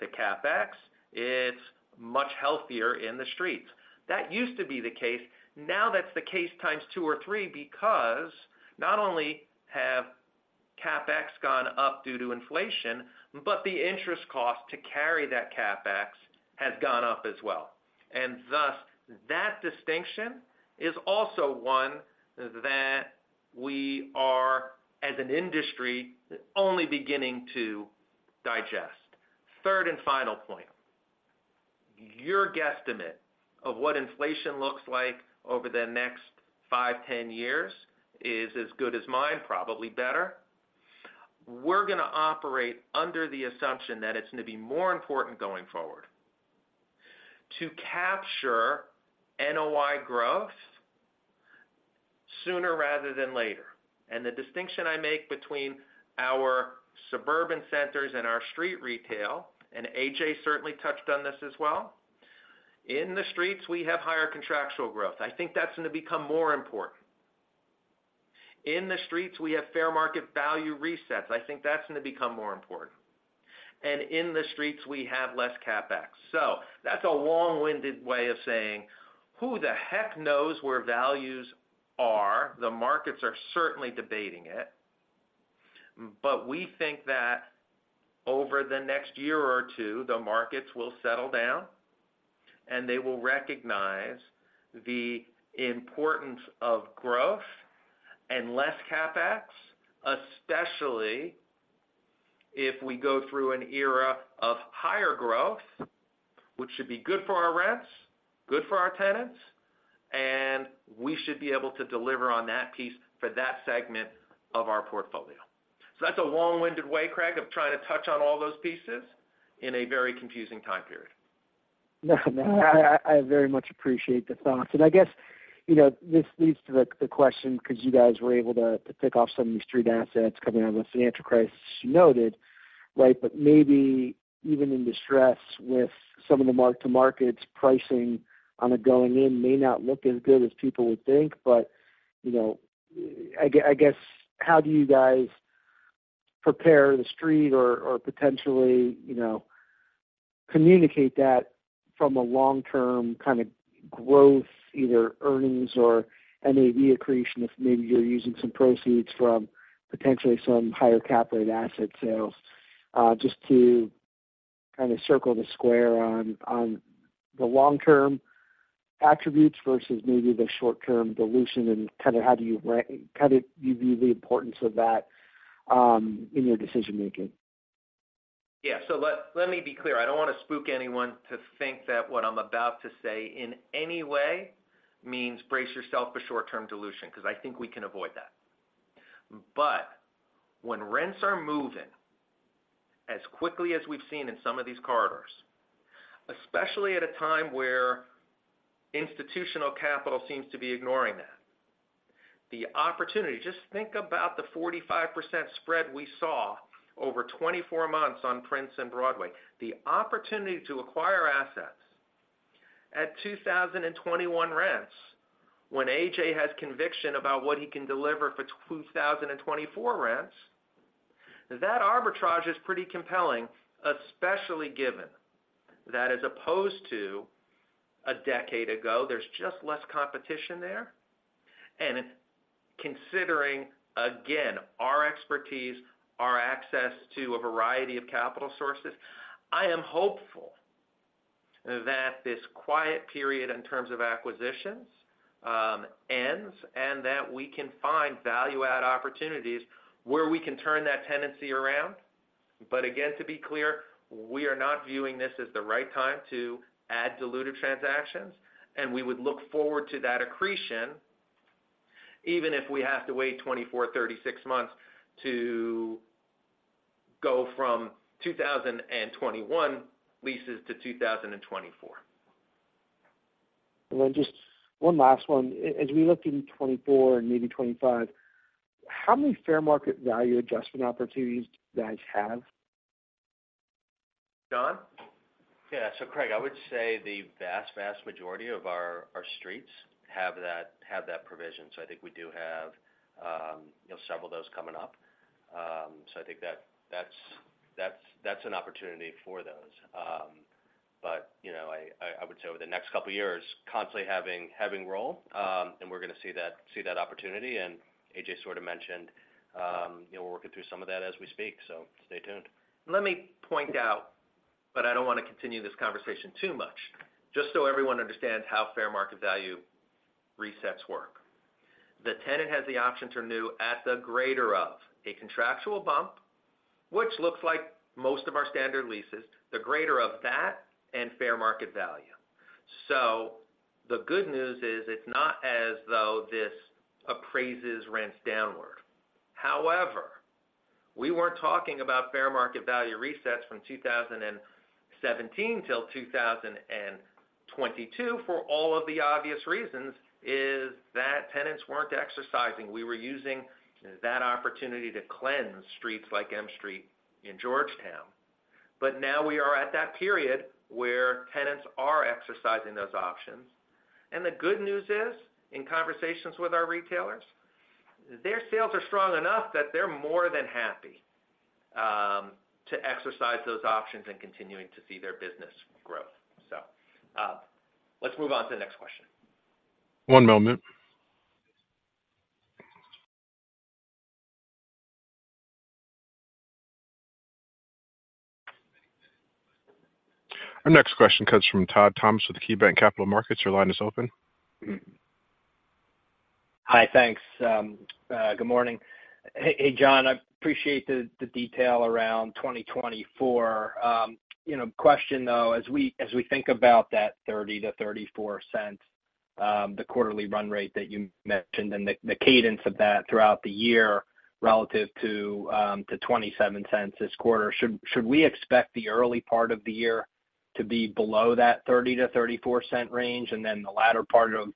Speaker 3: to CapEx, it's much healthier in the streets. That used to be the case. Now, that's the case times two or three, because not only have CapEx gone up due to inflation, but the interest cost to carry that CapEx has gone up as well. And thus, that distinction is also one that we are, as an industry, only beginning to digest. Third and final point, your guesstimate of what inflation looks like over the next five, 10 years is as good as mine, probably better. We're gonna operate under the assumption that it's going to be more important going forward to capture NOI growth sooner rather than later. The distinction I make between our suburban centers and our street retail, and A.J. certainly touched on this as well, in the streets, we have higher contractual growth. I think that's going to become more important. In the streets, we have fair market value resets. I think that's going to become more important. In the streets, we have less CapEx. That's a long-winded way of saying, who the heck knows where values are? The markets are certainly debating it. But we think that over the next year or two, the markets will settle down, and they will recognize the importance of growth and less CapEx, especially if we go through an era of higher growth, which should be good for our rents, good for our tenants, and we should be able to deliver on that piece for that segment of our portfolio. So that's a long-winded way, Craig, of trying to touch on all those pieces in a very confusing time period.
Speaker 9: I very much appreciate the thoughts. And I guess, you know, this leads to the question, 'cause you guys were able to tick off some of these street assets coming out of the financial crisis, as you noted, right? But maybe even in distress with some of the mark-to-market pricing on a going in, may not look as good as people would think. But, you know, I guess, how do you guys prepare the street or potentially, you know, communicate that from a long-term kind of growth, either earnings or NAV accretion, if maybe you're using some proceeds from potentially some higher cap rate asset sales? Just to kind of circle the square on the long-term attributes versus maybe the short-term dilution and kind of how you view the importance of that in your decision making.
Speaker 3: Yeah. So let me be clear. I don't want to spook anyone to think that what I'm about to say in any way means brace yourself for short-term dilution, 'cause I think we can avoid that. But when rents are moving as quickly as we've seen in some of these corridors, especially at a time where institutional capital seems to be ignoring that, the opportunity... Just think about the 45% spread we saw over 24 months on Prince and Broadway. The opportunity to acquire assets at 2021 rents, when A.J. has conviction about what he can deliver for 2024 rents, that arbitrage is pretty compelling, especially given that as opposed to a decade ago, there's just less competition there. Considering, again, our expertise, our access to a variety of capital sources, I am hopeful that this quiet period in terms of acquisitions ends, and that we can find value add opportunities where we can turn that tenancy around. But again, to be clear, we are not viewing this as the right time to add dilutive transactions, and we would look forward to that accretion, even if we have to wait 24-36 months to go from 2021 leases to 2024.
Speaker 9: And then just one last one. As we look to 2024 and maybe 2025, how many fair market value adjustment opportunities do you guys have?...
Speaker 3: John?
Speaker 5: Yeah. So Craig, I would say the vast, vast majority of our streets have that provision. So I think we do have, you know, several of those coming up. So I think that's an opportunity for those. But, you know, I would say over the next couple of years, constantly having roll, and we're going to see that opportunity. And A.J. sort of mentioned, you know, we're working through some of that as we speak, so stay tuned.
Speaker 3: Let me point out, but I don't want to continue this conversation too much, just so everyone understands how Fair Market Value resets work. The tenant has the option to renew at the greater of a contractual bump, which looks like most of our standard leases, the greater of that and Fair Market Value. So the good news is, it's not as though this appraises rents downward. However, we weren't talking about Fair Market Value resets from 2017 till 2022, for all of the obvious reasons, is that tenants weren't exercising. We were using that opportunity to cleanse streets like M Street in Georgetown. But now we are at that period where tenants are exercising those options. The good news is, in conversations with our retailers, their sales are strong enough that they're more than happy to exercise those options and continuing to see their business growth. Let's move on to the next question.
Speaker 1: One moment. Our next question comes from Todd Thomas with KeyBanc Capital Markets. Your line is open.
Speaker 10: Hi, thanks. Good morning. Hey, hey, John, I appreciate the detail around 2024. You know, question, though, as we think about that $0.30-$0.34, the quarterly run rate that you mentioned and the cadence of that throughout the year relative to $0.27 this quarter, should we expect the early part of the year to be below that $0.30-$0.34 range, and then the latter part of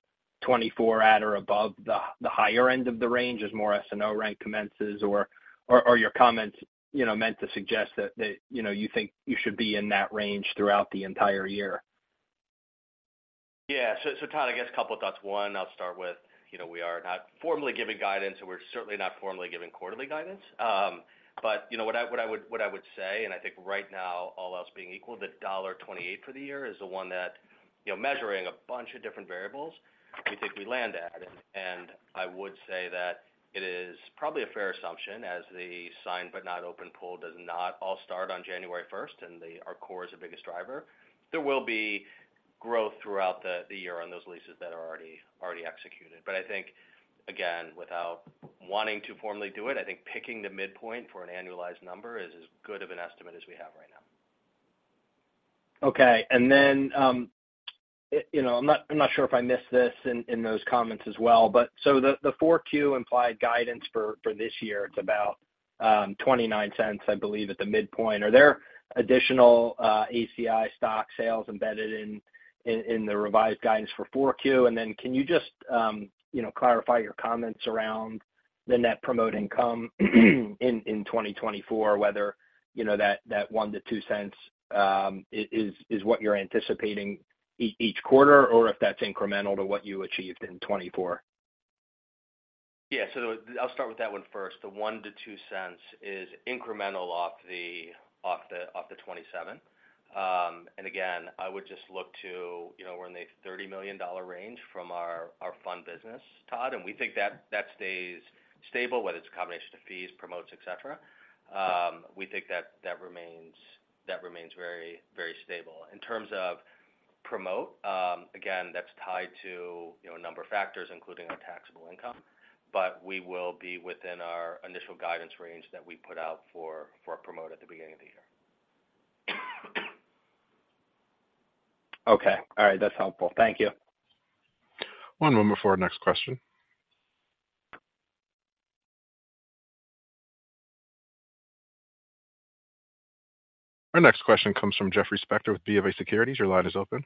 Speaker 10: 2024 at or above the higher end of the range as more S&O rent commences? Or, are your comments, you know, meant to suggest that you think you should be in that range throughout the entire year?
Speaker 5: Yeah. So, Todd, I guess a couple of thoughts. One, I'll start with, you know, we are not formally giving guidance, so we're certainly not formally giving quarterly guidance. But you know, what I would say, and I think right now, all else being equal, the $1.28 for the year is the one that, you know, measuring a bunch of different variables, we think we land at. And I would say that it is probably a fair assumption as the signed, but not open pool, does not all start on January first, and then our core is the biggest driver. There will be growth throughout the year on those leases that are already executed. But I think, again, without wanting to formally do it, I think picking the midpoint for an annualized number is as good of an estimate as we have right now.
Speaker 10: Okay. Then, you know, I'm not, I'm not sure if I missed this in, in those comments as well, but the 4Q implied guidance for this year, it's about $0.29, I believe, at the midpoint. Are there additional AKR stock sales embedded in the revised guidance for 4Q? And then can you just, you know, clarify your comments around the net promote income in 2024, whether, you know, that $0.01-$0.02 is what you're anticipating each quarter, or if that's incremental to what you achieved in 2024?
Speaker 5: Yeah. So I'll start with that one first. The $0.01-$0.02 is incremental off the $0.27. And again, I would just look to, you know, we're in the $30 million range from our fund business, Todd, and we think that stays stable, whether it's a combination of fees, promotes, et cetera. We think that remains very, very stable. In terms of promote, again, that's tied to, you know, a number of factors, including our taxable income, but we will be within our initial guidance range that we put out for promote at the beginning of the year.
Speaker 10: Okay. All right. That's helpful. Thank you.
Speaker 1: One moment before our next question. Our next question comes from Jeffrey Spector with BofA Securities. Your line is open.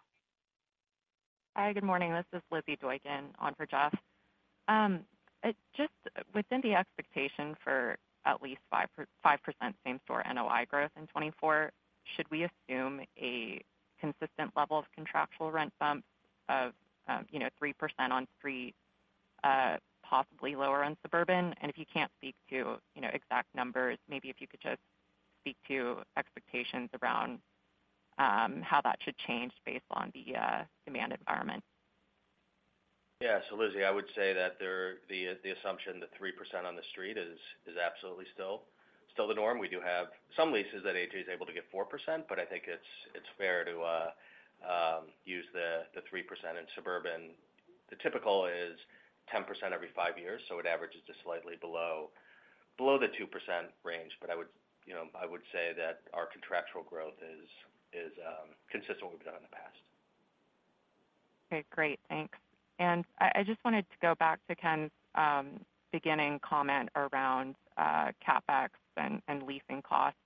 Speaker 11: Hi, good morning. This is Lizzie Doykan on for Jeff. Just within the expectation for at least 5% same-store NOI growth in 2024, should we assume a consistent level of contractual rent bumps of, you know, 3% on street, possibly lower on suburban? And if you can't speak to, you know, exact numbers, maybe if you could just speak to expectations around, how that should change based on the, demand environment.
Speaker 5: Yeah. So Lizzie, I would say that there, the assumption that 3% on the street is absolutely still the norm. We do have some leases that A.J. is able to get 4%, but I think it's fair to use the 3% in suburban. The typical is 10% every five years, so it averages to slightly below the 2% range. But I would, you know, I would say that our contractual growth is consistent with what we've done in the past.
Speaker 11: Okay, great. Thanks. And I just wanted to go back to Ken's beginning comment around CapEx and leasing costs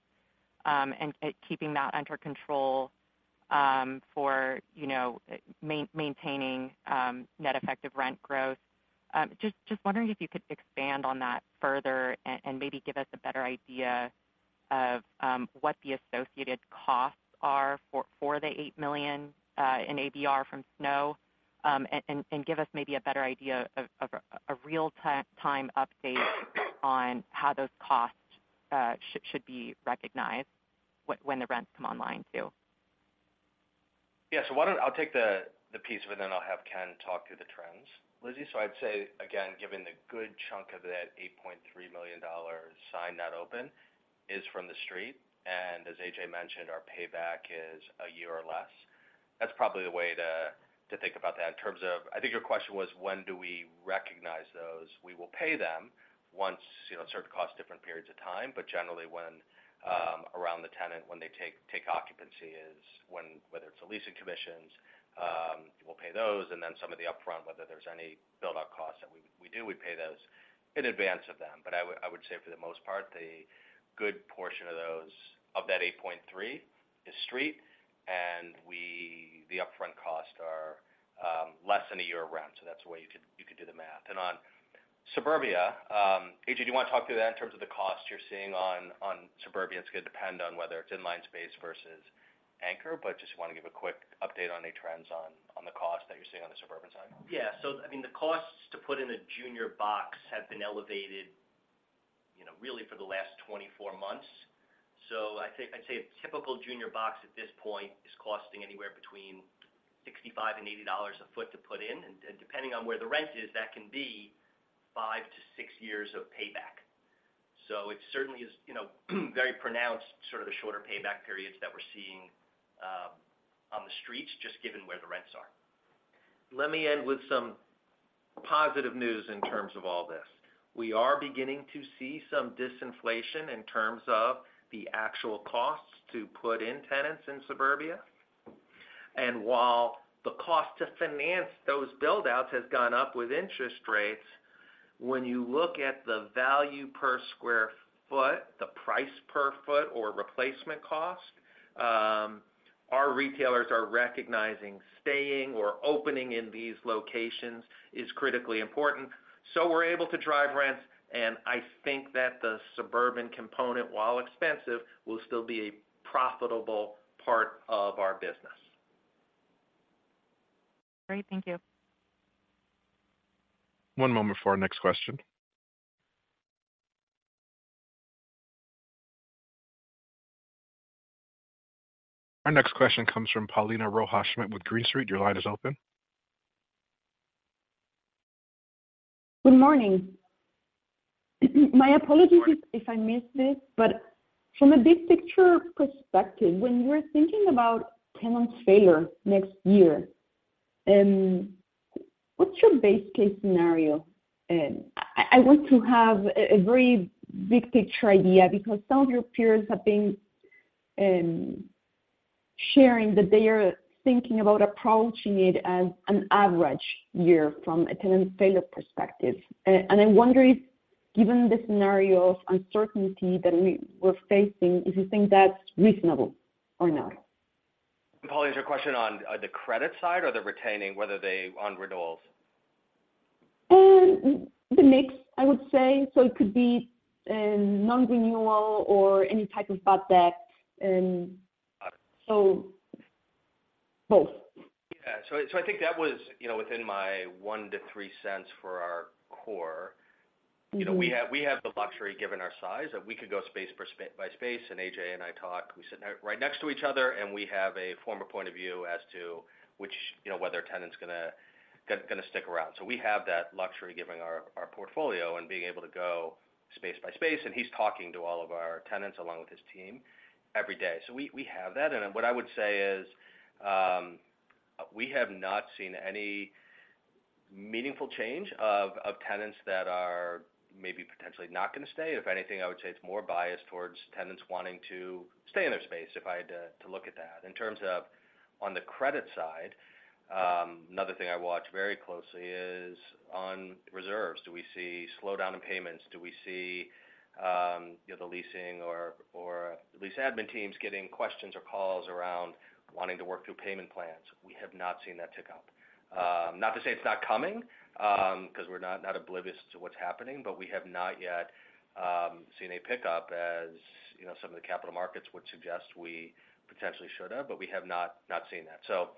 Speaker 11: and keeping that under control for, you know, maintaining net effective rent growth. Just wondering if you could expand on that further and maybe give us a better idea of what the associated costs are for the $8 million in ABR from SNO. And give us maybe a better idea of a real-time update on how those costs should be recognized when the rents come online, too.
Speaker 5: Yeah. So why don't I'll take the, the piece, and then I'll have Ken talk through the trends, Lizzie. So I'd say again, given the good chunk of that $8.3 million signed, not open, is from the street, and as A.J. mentioned, our payback is a year or less. That's probably the way to, to think about that in terms of... I think your question was, when do we recognize those? We will pay them once, you know, certain costs, different periods of time, but generally when, around the tenant, when they take, take occupancy is when, whether it's the leasing commissions, we'll pay those, and then some of the upfront, whether there's any build-out costs that we, we do, we pay those in advance of them. But I would, I would say for the most part, a good portion of those, of that $8.3 is street, and we, the upfront costs are less than a year of rent. So that's the way you could, you could do the math. And on suburbia, A.J., do you want to talk through that in terms of the costs you're seeing on, on suburbia? It's going to depend on whether it's in-line space versus anchor, but just want to give a quick update on any trends on, on the cost that you're seeing on the suburban side.
Speaker 4: Yeah. So I mean, the costs to put in a junior box have been elevated, you know, really for the last 24 months. So I'd say, I'd say a typical junior box at this point is costing anywhere between $65-$80 a foot to put in, and depending on where the rent is, that can be five to six years of payback. So it certainly is, you know, very pronounced, sort of the shorter payback periods that we're seeing on the streets, just given where the rents are.
Speaker 5: Let me end with some positive news in terms of all this. We are beginning to see some disinflation in terms of the actual costs to put in tenants in suburbia. And while the cost to finance those build-outs has gone up with interest rates, when you look at the value per square foot, the price per foot or replacement cost, our retailers are recognizing staying or opening in these locations is critically important. So we're able to drive rents, and I think that the suburban component, while expensive, will still be a profitable part of our business.
Speaker 11: Great, thank you.
Speaker 1: One moment for our next question. Our next question comes from Paulina Rojas with Green Street. Your line is open.
Speaker 12: Good morning. My apologies if I missed it, but from a big picture perspective, when you are thinking about tenant failure next year, what's your base case scenario? I want to have a very big picture idea, because some of your peers have been sharing that they are thinking about approaching it as an average year from a tenant failure perspective. I wonder if, given the scenario of uncertainty that we're facing, if you think that's reasonable or not?
Speaker 5: Paulina, is your question on the credit side or the retaining, whether they on renewals?
Speaker 12: The mix, I would say. So it could be non-renewal or any type of thought that... So both.
Speaker 5: Yeah. So, so I think that was, you know, within my $0.01-$0.03 for our core.
Speaker 12: Mm-hmm.
Speaker 5: You know, we have, we have the luxury, given our size, that we could go space by space, and A.J. and I talk. We sit down right next to each other, and we have a from a point of view as to which, you know, whether a tenant's gonna stick around. So we have that luxury, given our, our portfolio and being able to go space by space, and he's talking to all of our tenants along with his team every day. So we, we have that. And what I would say is, we have not seen any meaningful change of tenants that are maybe potentially not going to stay. If anything, I would say it's more biased towards tenants wanting to stay in their space, if I had to look at that. In terms of on the credit side, another thing I watch very closely is on reserves. Do we see slowdown in payments? Do we see, you know, the leasing or lease admin teams getting questions or calls around wanting to work through payment plans? We have not seen that tick up. Not to say it's not coming, because we're not oblivious to what's happening, but we have not yet seen a pickup, as you know, some of the capital markets would suggest we potentially should have, but we have not seen that. So,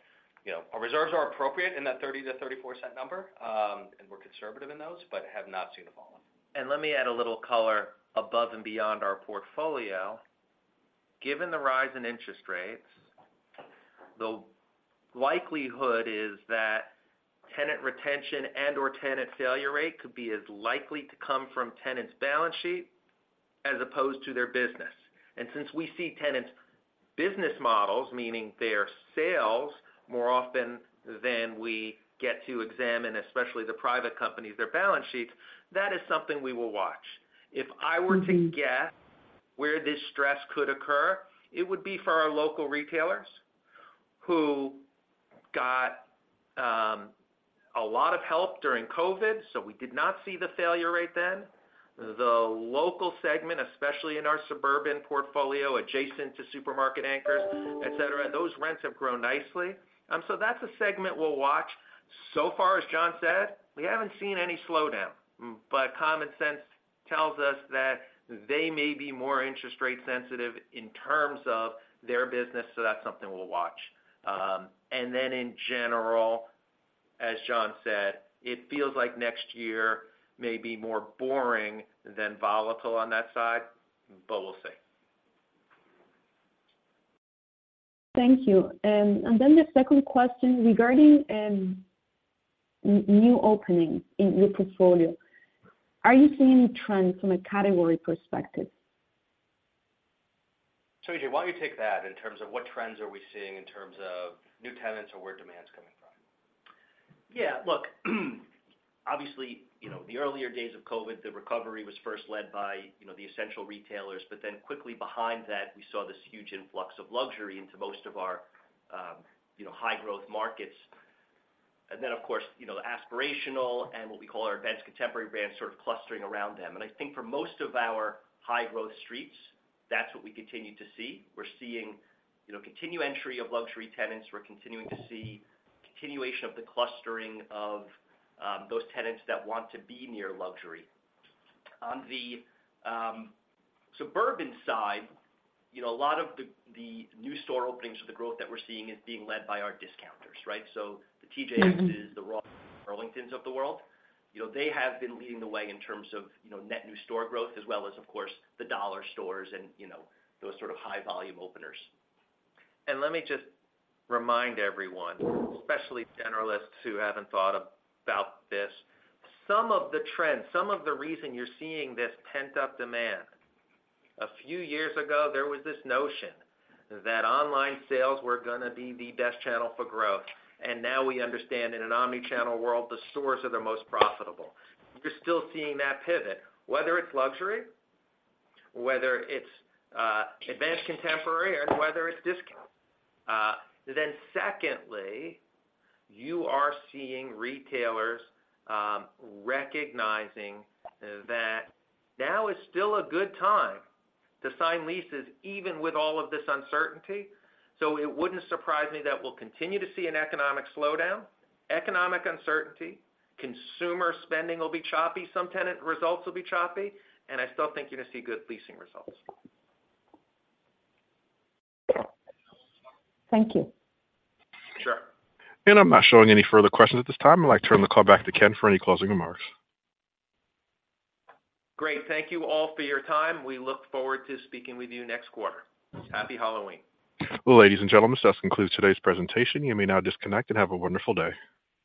Speaker 5: you know, our reserves are appropriate in that $0.30-$0.34 number, and we're conservative in those, but have not seen a fall.
Speaker 4: Let me add a little color above and beyond our portfolio. Given the rise in interest rates, the likelihood is that tenant retention and/or tenant failure rate could be as likely to come from tenants' balance sheet as opposed to their business. Since we see tenants' business models, meaning their sales, more often than we get to examine, especially the private companies, their balance sheets, that is something we will watch.
Speaker 12: Mm-hmm.
Speaker 4: If I were to guess where this stress could occur, it would be for our local retailers who got-
Speaker 3: ...a lot of help during COVID, so we did not see the failure rate then. The local segment, especially in our suburban portfolio, adjacent to supermarket anchors, et cetera, those rents have grown nicely. So that's a segment we'll watch. So far, as John said, we haven't seen any slowdown, but common sense tells us that they may be more interest rate sensitive in terms of their business, so that's something we'll watch. And then in general, as John said, it feels like next year may be more boring than volatile on that side, but we'll see.
Speaker 12: Thank you. And then the second question, regarding new openings in your portfolio, are you seeing any trends from a category perspective?
Speaker 3: A.J., why don't you take that in terms of what trends are we seeing in terms of new tenants or where demand's coming from?
Speaker 4: Yeah, look, obviously, you know, the earlier days of COVID, the recovery was first led by, you know, the essential retailers, but then quickly behind that, we saw this huge influx of luxury into most of our, you know, high growth markets. And then, of course, you know, the aspirational and what we call our advanced contemporary brands, sort of clustering around them. And I think for most of our high growth streets, that's what we continue to see. We're seeing, you know, continued entry of luxury tenants. We're continuing to see continuation of the clustering of, those tenants that want to be near luxury. On the, suburban side, you know, a lot of the, the new store openings or the growth that we're seeing is being led by our discounters, right? So the TJX's, the Ross, Burlington's of the world, you know, they have been leading the way in terms of, you know, net new store growth, as well as, of course, the dollar stores and, you know, those sort of high volume openers.
Speaker 3: Let me just remind everyone, especially generalists who haven't thought about this, some of the trends, some of the reason you're seeing this pent-up demand. A few years ago, there was this notion that online sales were going to be the best channel for growth, and now we understand in an Omni-Channel world, the stores are the most profitable. You're still seeing that pivot, whether it's luxury, whether it's advanced contemporary, or whether it's discount. Then secondly, you are seeing retailers recognizing that now is still a good time to sign leases, even with all of this uncertainty. So it wouldn't surprise me that we'll continue to see an economic slowdown, economic uncertainty, consumer spending will be choppy, some tenant results will be choppy, and I still think you're going to see good leasing results.
Speaker 12: Thank you.
Speaker 3: Sure.
Speaker 1: I'm not showing any further questions at this time. I'd like to turn the call back to Ken for any closing remarks.
Speaker 3: Great. Thank you all for your time. We look forward to speaking with you next quarter. Happy Halloween.
Speaker 1: Ladies and gentlemen, this concludes today's presentation. You may now disconnect and have a wonderful day.